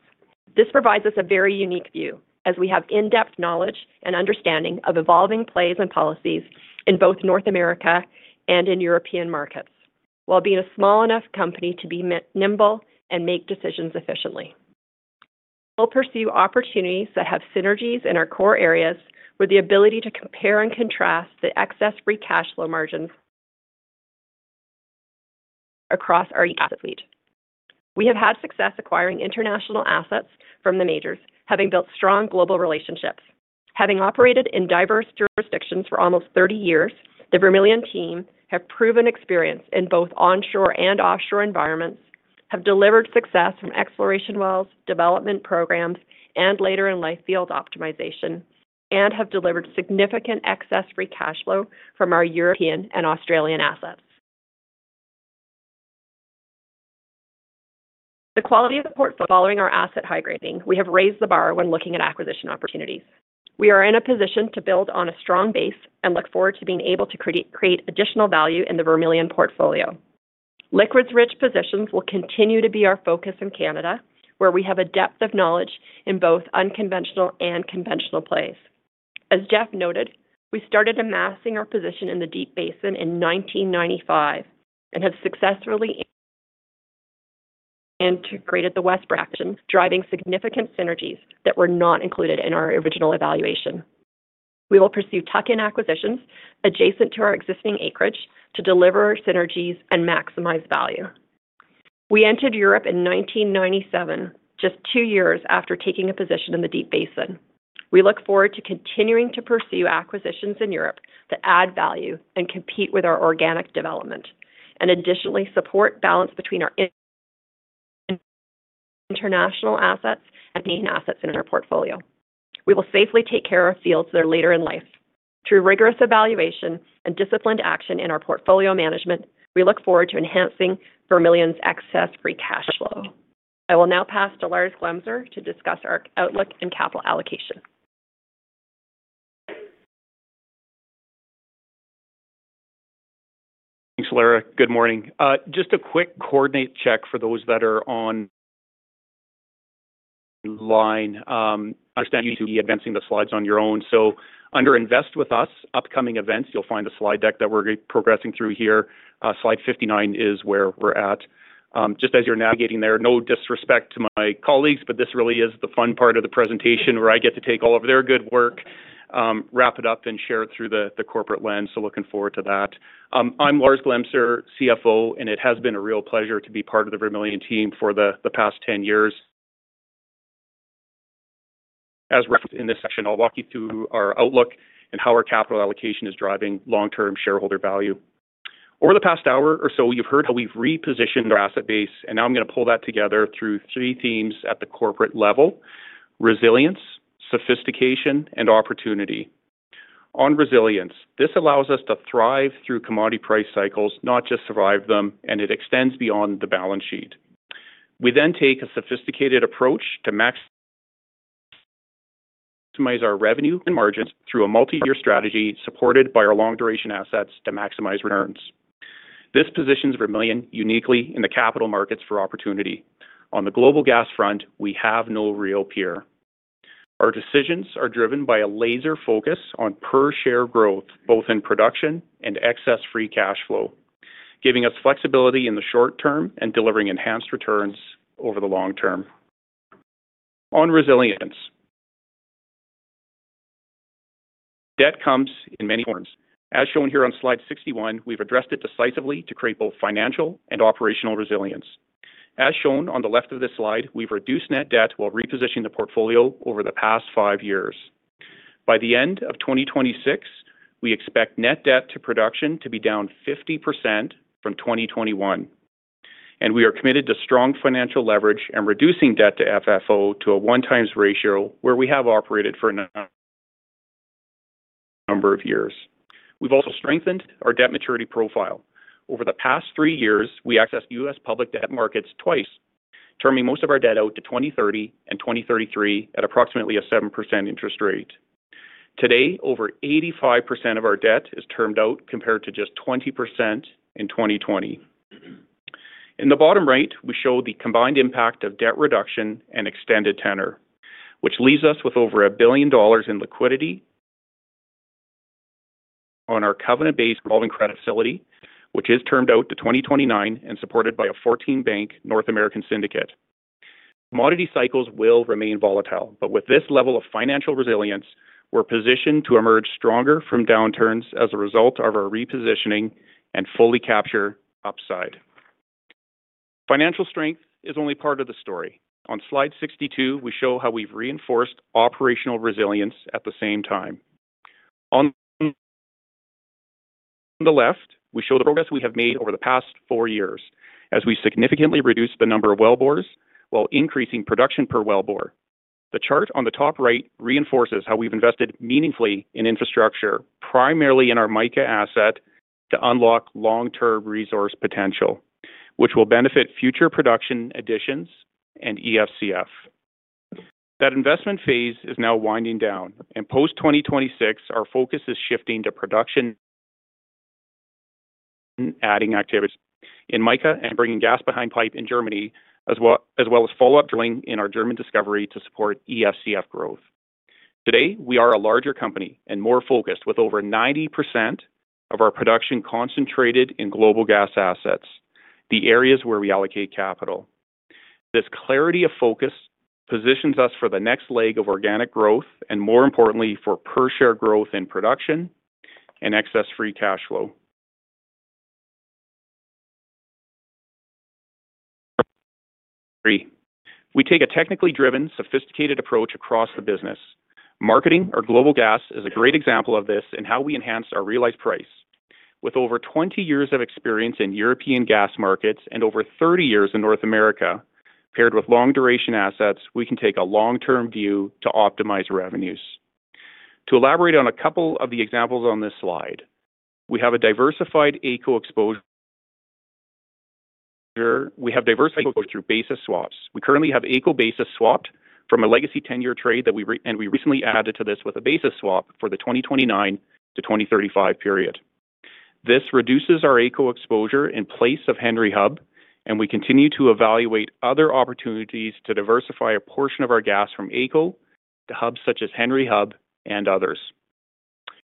This provides us a very unique view, as we have in-depth knowledge and understanding of evolving plays and policies in both North America and in European markets, while being a small enough company to be nimble and make decisions efficiently. We'll pursue opportunities that have synergies in our core areas, with the ability to compare and contrast the excess free cash flow margins across our asset fleet. We have had success acquiring international assets from the majors, having built strong global relationships. Having operated in diverse jurisdictions for almost 30 years, the Vermilion team has proven experience in both onshore and offshore environments, have delivered success from exploration wells, development programs, and later in life field optimization, and have delivered significant excess free cash flow from our European and Australian assets. The quality of the portfolio following our asset high grading. We have raised the bar when looking at acquisition opportunities. We are in a position to build on a strong base and look forward to being able to create additional value in the Vermilion portfolio. Liquids-rich positions will continue to be our focus in Canada, where we have a depth of knowledge in both unconventional and conventional plays. As Geff noted, we started amassing our position in the Deep Basin in 1995 and have successfully integrated the Westbrick acquisition, driving significant synergies that were not included in our original evaluation. We will pursue tuck-in acquisitions adjacent to our existing acreage to deliver synergies and maximize value. We entered Europe in 1997, just two years after taking a position in the Deep Basin. We look forward to continuing to pursue acquisitions in Europe that add value and compete with our organic development, and additionally support balance between our international assets and main assets in our portfolio. We will safely take care of fields that are later in life. Through rigorous evaluation and disciplined action in our portfolio management, we look forward to enhancing Vermilion's Excess Free Cash Flow. I will now pass to Lars Glemser to discuss our outlook and capital allocation.
Thanks, Lara. Good morning. Just a quick coordinate check for those that are online. I understand you to be advancing the slides on your own. So under Invest with Us, upcoming events, you'll find the slide deck that we're progressing through here. Slide 59 is where we're at. Just as you're navigating there, no disrespect to my colleagues, but this really is the fun part of the presentation where I get to take all of their good work, wrap it up, and share it through the corporate lens. So looking forward to that. I'm Lars Glemser, CFO, and it has been a real pleasure to be part of the Vermilion team for the past 10 years. As referenced in this session, I'll walk you through our outlook and how our capital allocation is driving long-term shareholder value. Over the past hour or so, you've heard how we've repositioned our asset base, and now I'm going to pull that together through three themes at the corporate level: resilience, sophistication, and opportunity. On resilience, this allows us to thrive through commodity price cycles, not just survive them, and it extends beyond the balance sheet. We then take a sophisticated approach to maximize our revenue and margins through a multi-year strategy supported by our long-duration assets to maximize returns. This positions Vermilion uniquely in the capital markets for opportunity. On the global gas front, we have no real peer. Our decisions are driven by a laser focus on per-share growth, both in production and excess free cash flow, giving us flexibility in the short term and delivering enhanced returns over the long term. On resilience, debt comes in many forms. As shown here on slide 61, we've addressed it decisively to create both financial and operational resilience. As shown on the left of this slide, we've reduced net debt while repositioning the portfolio over the past five years. By the end of 2026, we expect net debt to production to be down 50% from 2021, and we are committed to strong financial leverage and reducing debt to FFO to a one-times ratio where we have operated for a number of years. We've also strengthened our debt maturity profile. Over the past three years, we accessed U.S. public debt markets twice, terming most of our debt out to 2030 and 2033 at approximately a 7% interest rate. Today, over 85% of our debt is termed out compared to just 20% in 2020. In the bottom right, we show the combined impact of debt reduction and extended tenor, which leaves us with over 1 billion dollars in liquidity on our covenant-based revolving credit facility, which is termed out to 2029 and supported by a 14-bank North American syndicate. Commodity cycles will remain volatile, but with this level of financial resilience, we're positioned to emerge stronger from downturns as a result of our repositioning and fully capture upside. Financial strength is only part of the story. On slide 62, we show how we've reinforced operational resilience at the same time. On the left, we show the progress we have made over the past four years as we significantly reduced the number of well bores while increasing production per well bore. The chart on the top right reinforces how we've invested meaningfully in infrastructure, primarily in our Mica asset, to unlock long-term resource potential, which will benefit future production additions and EFCF. That investment phase is now winding down, and post-2026, our focus is shifting to production and adding activities in Mica and bringing gas behind pipe in Germany, as well as follow-up drilling in our German discovery to support EFCF growth. Today, we are a larger company and more focused, with over 90% of our production concentrated in global gas assets, the areas where we allocate capital. This clarity of focus positions us for the next leg of organic growth and, more importantly, for per-share growth in production and excess free cash flow. We take a technically driven, sophisticated approach across the business. Marketing our global gas is a great example of this and how we enhance our realized price. With over 20 years of experience in European gas markets and over 30 years in North America, paired with long-duration assets, we can take a long-term view to optimize revenues. To elaborate on a couple of the examples on this slide, we have a diversified AECO exposure. We have diversified exposure through basis swaps. We currently have AECO basis swapped from a legacy 10-year trade, and we recently added to this with a basis swap for the 2029 to 2035 period. This reduces our AECO exposure in place of Henry Hub, and we continue to evaluate other opportunities to diversify a portion of our gas from AECO to hubs such as Henry Hub and others.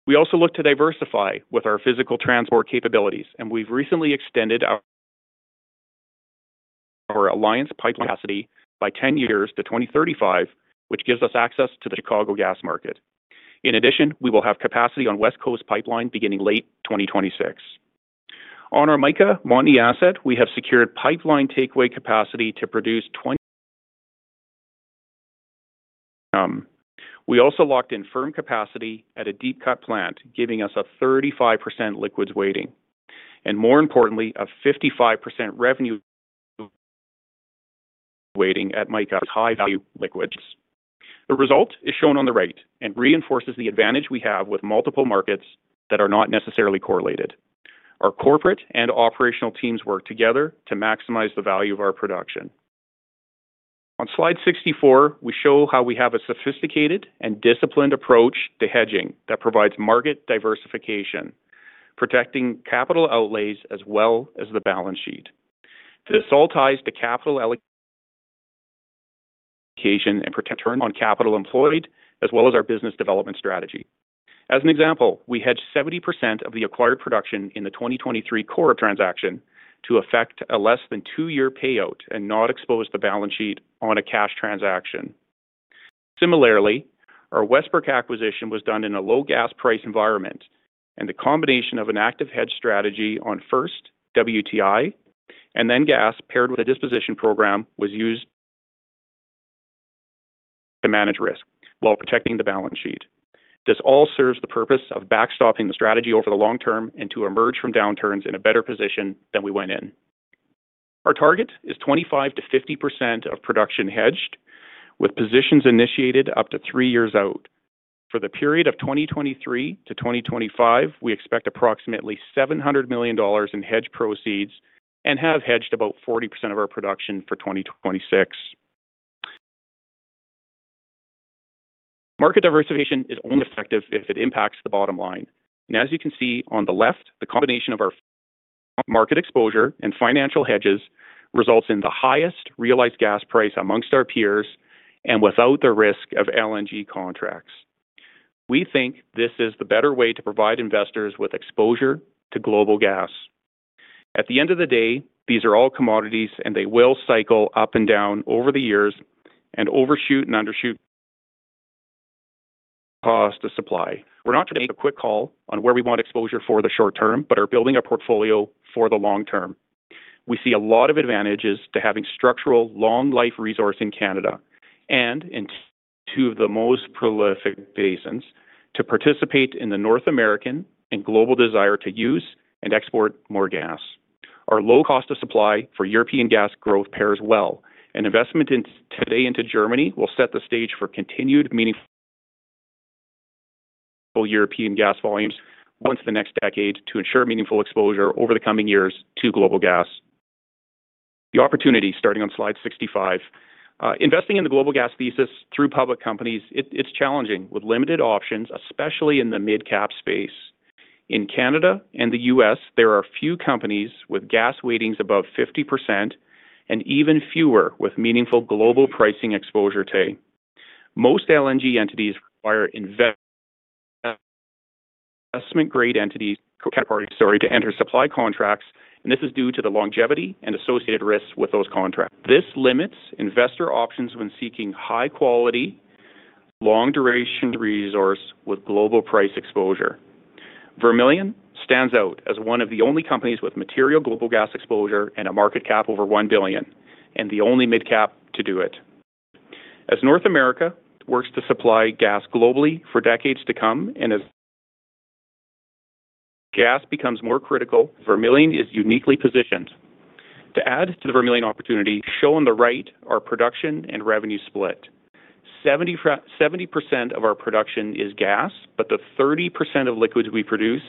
We also look to diversify with our physical transport capabilities, and we've recently extended our Alliance Pipeline capacity by 10 years to 2035, which gives us access to the Chicago gas market. In addition, we will have capacity on Westcoast Pipeline beginning late 2026. On our Mica Montney asset, we have secured pipeline takeaway capacity to produce 20. We also locked in firm capacity at a deep cut plant, giving us a 35% liquids weighting, and more importantly, a 55% revenue weighting at Mica's high-value liquids. The result is shown on the right and reinforces the advantage we have with multiple markets that are not necessarily correlated. Our corporate and operational teams work together to maximize the value of our production. On slide 64, we show how we have a sophisticated and disciplined approach to hedging that provides market diversification, protecting capital outlays as well as the balance sheet. This all ties to capital allocation and return on capital employed, as well as our business development strategy. As an example, we hedge 70% of the acquired production in the 2023 core transaction to affect a less than two-year payout and not expose the balance sheet on a cash transaction. Similarly, our Westbrick acquisition was done in a low gas price environment, and the combination of an active hedge strategy on first WTI and then gas paired with a disposition program was used to manage risk while protecting the balance sheet. This all serves the purpose of backstopping the strategy over the long term and to emerge from downturns in a better position than we went in. Our target is 25%-50% of production hedged, with positions initiated up to three years out. For the period of 2023 to 2025, we expect approximately $700 million in hedge proceeds and have hedged about 40% of our production for 2026. Market diversification is only effective if it impacts the bottom line, and as you can see on the left, the combination of our market exposure and financial hedges results in the highest realized gas price amongst our peers and without the risk of LNG contracts. We think this is the better way to provide investors with exposure to global gas. At the end of the day, these are all commodities, and they will cycle up and down over the years and overshoot and undershoot cost of supply. We're not trying to make a quick call on where we want exposure for the short term, but are building a portfolio for the long term. We see a lot of advantages to having structural long-life resource in Canada and in two of the most prolific basins to participate in the North American and global desire to use and export more gas. Our low cost of supply for European gas growth pairs well, and investment today into Germany will set the stage for continued meaningful European gas volumes once the next decade to ensure meaningful exposure over the coming years to global gas. The opportunity starting on slide 65. Investing in the global gas thesis through public companies, it's challenging with limited options, especially in the mid-cap space. In Canada and the U.S., there are few companies with gas weightings above 50% and even fewer with meaningful global pricing exposure today. Most LNG entities require investment-grade entities, categories, sorry, to enter supply contracts, and this is due to the longevity and associated risks with those contracts. This limits investor options when seeking high-quality, long-duration resource with global price exposure. Vermilion stands out as one of the only companies with material global gas exposure and a market cap over 1 billion and the only mid-cap to do it. As North America works to supply gas globally for decades to come and as gas becomes more critical, Vermilion is uniquely positioned. To add to the Vermilion opportunity, show on the right our production and revenue split. 70% of our production is gas, but the 30% of liquids we produce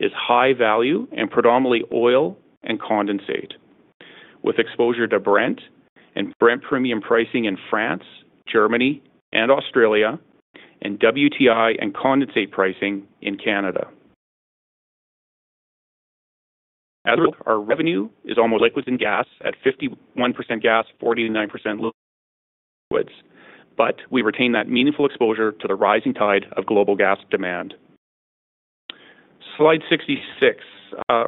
is high value and predominantly oil and condensate, with exposure to Brent and Brent premium pricing in France, Germany, and Australia, and WTI and condensate pricing in Canada. As our revenue is almost liquids and gas at 51% gas, 49% liquids, but we retain that meaningful exposure to the rising tide of global gas demand. Slide 66.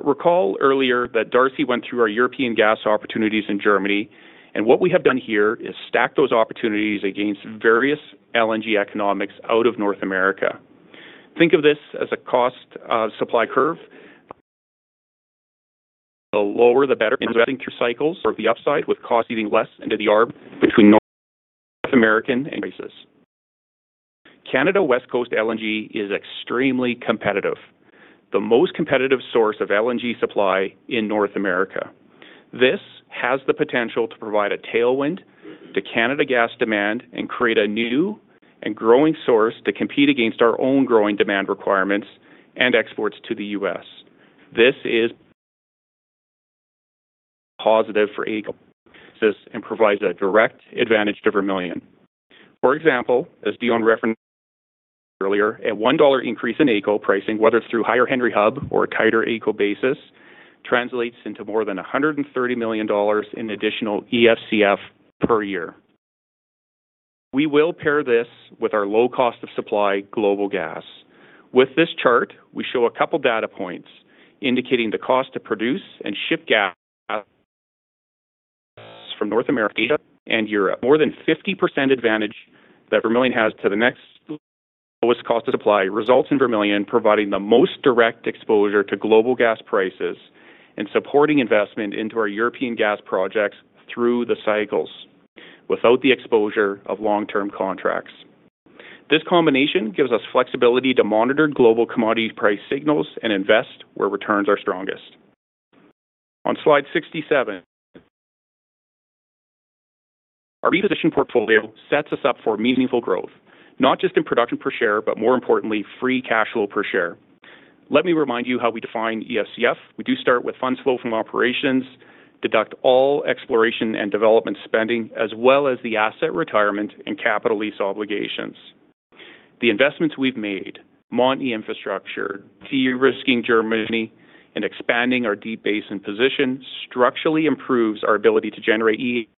Recall earlier that Darcy went through our European gas opportunities in Germany, and what we have done here is stack those opportunities against various LNG economics out of North America. Think of this as a cost of supply curve. The lower, the better. Investing through cycles for the upside with costs eating less into the margin between North American and basis. Canada West Coast LNG is extremely competitive, the most competitive source of LNG supply in North America. This has the potential to provide a tailwind to Canada gas demand and create a new and growing source to compete against our own growing demand requirements and exports to the U.S. This is positive for AECO and provides a direct advantage to Vermilion. For example, as Dion referenced earlier, a $ 1 increase in AECO pricing, whether through higher Henry Hub or a tighter AECO basis, translates into more than $130 million in additional EFCF per year. We will pair this with our low cost of supply global gas. With this chart, we show a couple of data points indicating the cost to produce and ship gas from North America and Europe. More than 50% advantage that Vermilion has to the next lowest cost of supply results in Vermilion providing the most direct exposure to global gas prices and supporting investment into our European gas projects through the cycles without the exposure of long-term contracts. This combination gives us flexibility to monitor global commodity price signals and invest where returns are strongest. On slide 67, our repositioned portfolio sets us up for meaningful growth, not just in production per share, but more importantly, free cash flow per share. Let me remind you how we define EFCF. We do start with funds flow from operations, deduct all exploration and development spending, as well as the asset retirement and capital lease obligations. The investments we've made, Montney Infrastructure, de-risking Germany, and expanding our Deep Basin position structurally improves our ability to generate EFCF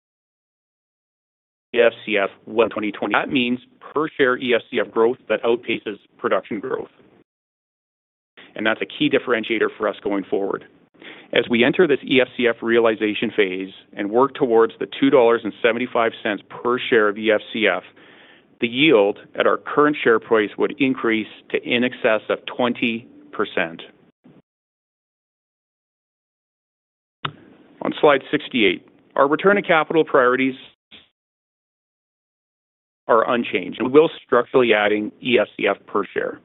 in 120/20. That means per share EFCF growth that outpaces production growth. And that's a key differentiator for us going forward. As we enter this EFCF realization phase and work towards the $2.75 per share of EFCF, the yield at our current share price would increase to in excess of 20%. On slide 68, our return to capital priorities are unchanged. We will structurally add EFCF per share.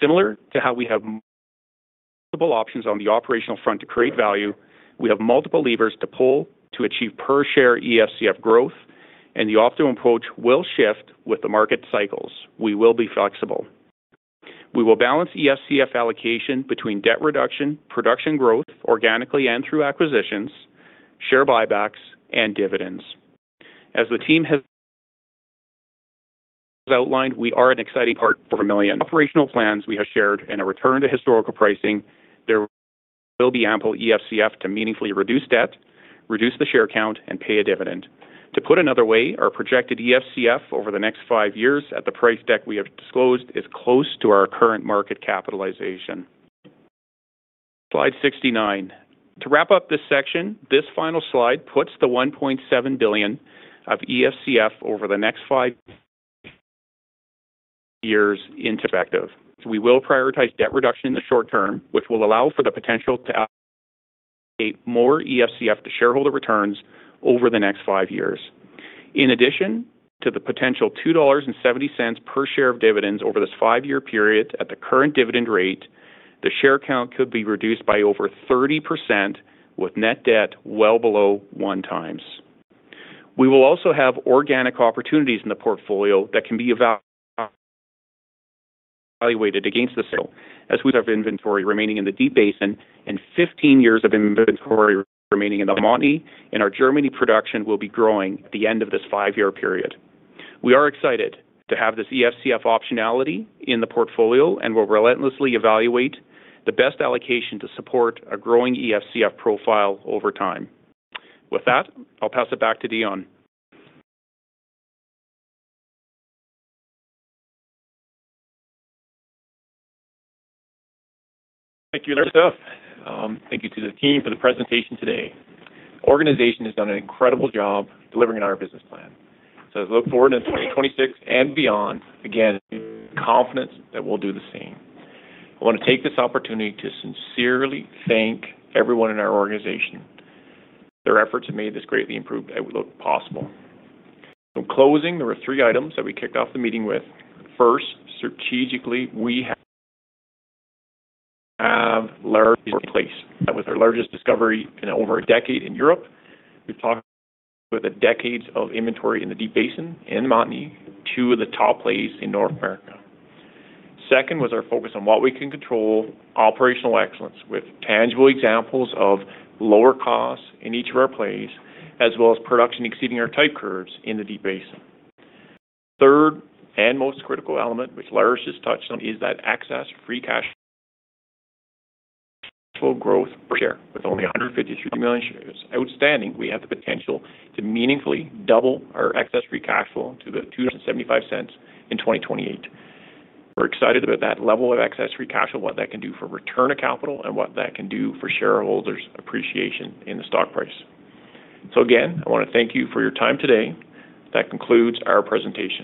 Similar to how we have multiple options on the operational front to create value, we have multiple levers to pull to achieve per share EFCF growth, and the optimum approach will shift with the market cycles. We will be flexible. We will balance EFCF allocation between debt reduction, production growth organically and through acquisitions, share buybacks, and dividends. As the team has outlined, we are an exciting part for Vermilion. Operational plans we have shared and a return to historical pricing, there will be ample EFCF to meaningfully reduce debt, reduce the share count, and pay a dividend. To put another way, our projected EFCF over the next five years at the price deck we have disclosed is close to our current market capitalization. Slide 69. To wrap up this section, this final slide puts the 1.7 billion of EFCF over the next five years into perspective. We will prioritize debt reduction in the short term, which will allow for the potential to allocate more EFCF to shareholder returns over the next five years. In addition to the potential 2.70 dollars per share of dividends over this five-year period at the current dividend rate, the share count could be reduced by over 30% with net debt well below one times. We will also have organic opportunities in the portfolio that can be evaluated against the sale. As we have inventory remaining in the Deep Basin and 15 years of inventory remaining in the Montney, our Germany production will be growing at the end of this five-year period. We are excited to have this EFCF optionality in the portfolio and will relentlessly evaluate the best allocation to support a growing EFCF profile over time. With that, I'll pass it back to Dion.
Thank you, Lara. Thank you to the team for the presentation today. The organization has done an incredible job delivering on our business plan so as we look forward to 2026 and beyond, again, confidence that we'll do the same. I want to take this opportunity to sincerely thank everyone in our organization. Their efforts have made this greatly improved at what looked possible. In closing, there are three items that we kicked off the meeting with. First, strategically, we play large with our largest discovery in over a decade in Europe. We've talked about a decade of inventory in the Deep Basin and Montney, two of the top plays in North America. Second was our focus on what we can control, operational excellence with tangible examples of lower costs in each of our plays, as well as production exceeding our type curves in the Deep Basin. Third and most critical element, which Lars just touched on, is that excess free cash flow growth per share with only 153 million shares outstanding. We have the potential to meaningfully double our excess free cash flow to $2.75 in 2028. We're excited about that level of excess free cash flow, what that can do for return to capital, and what that can do for shareholders' appreciation in the stock price. So again, I want to thank you for your time today. That concludes our presentation.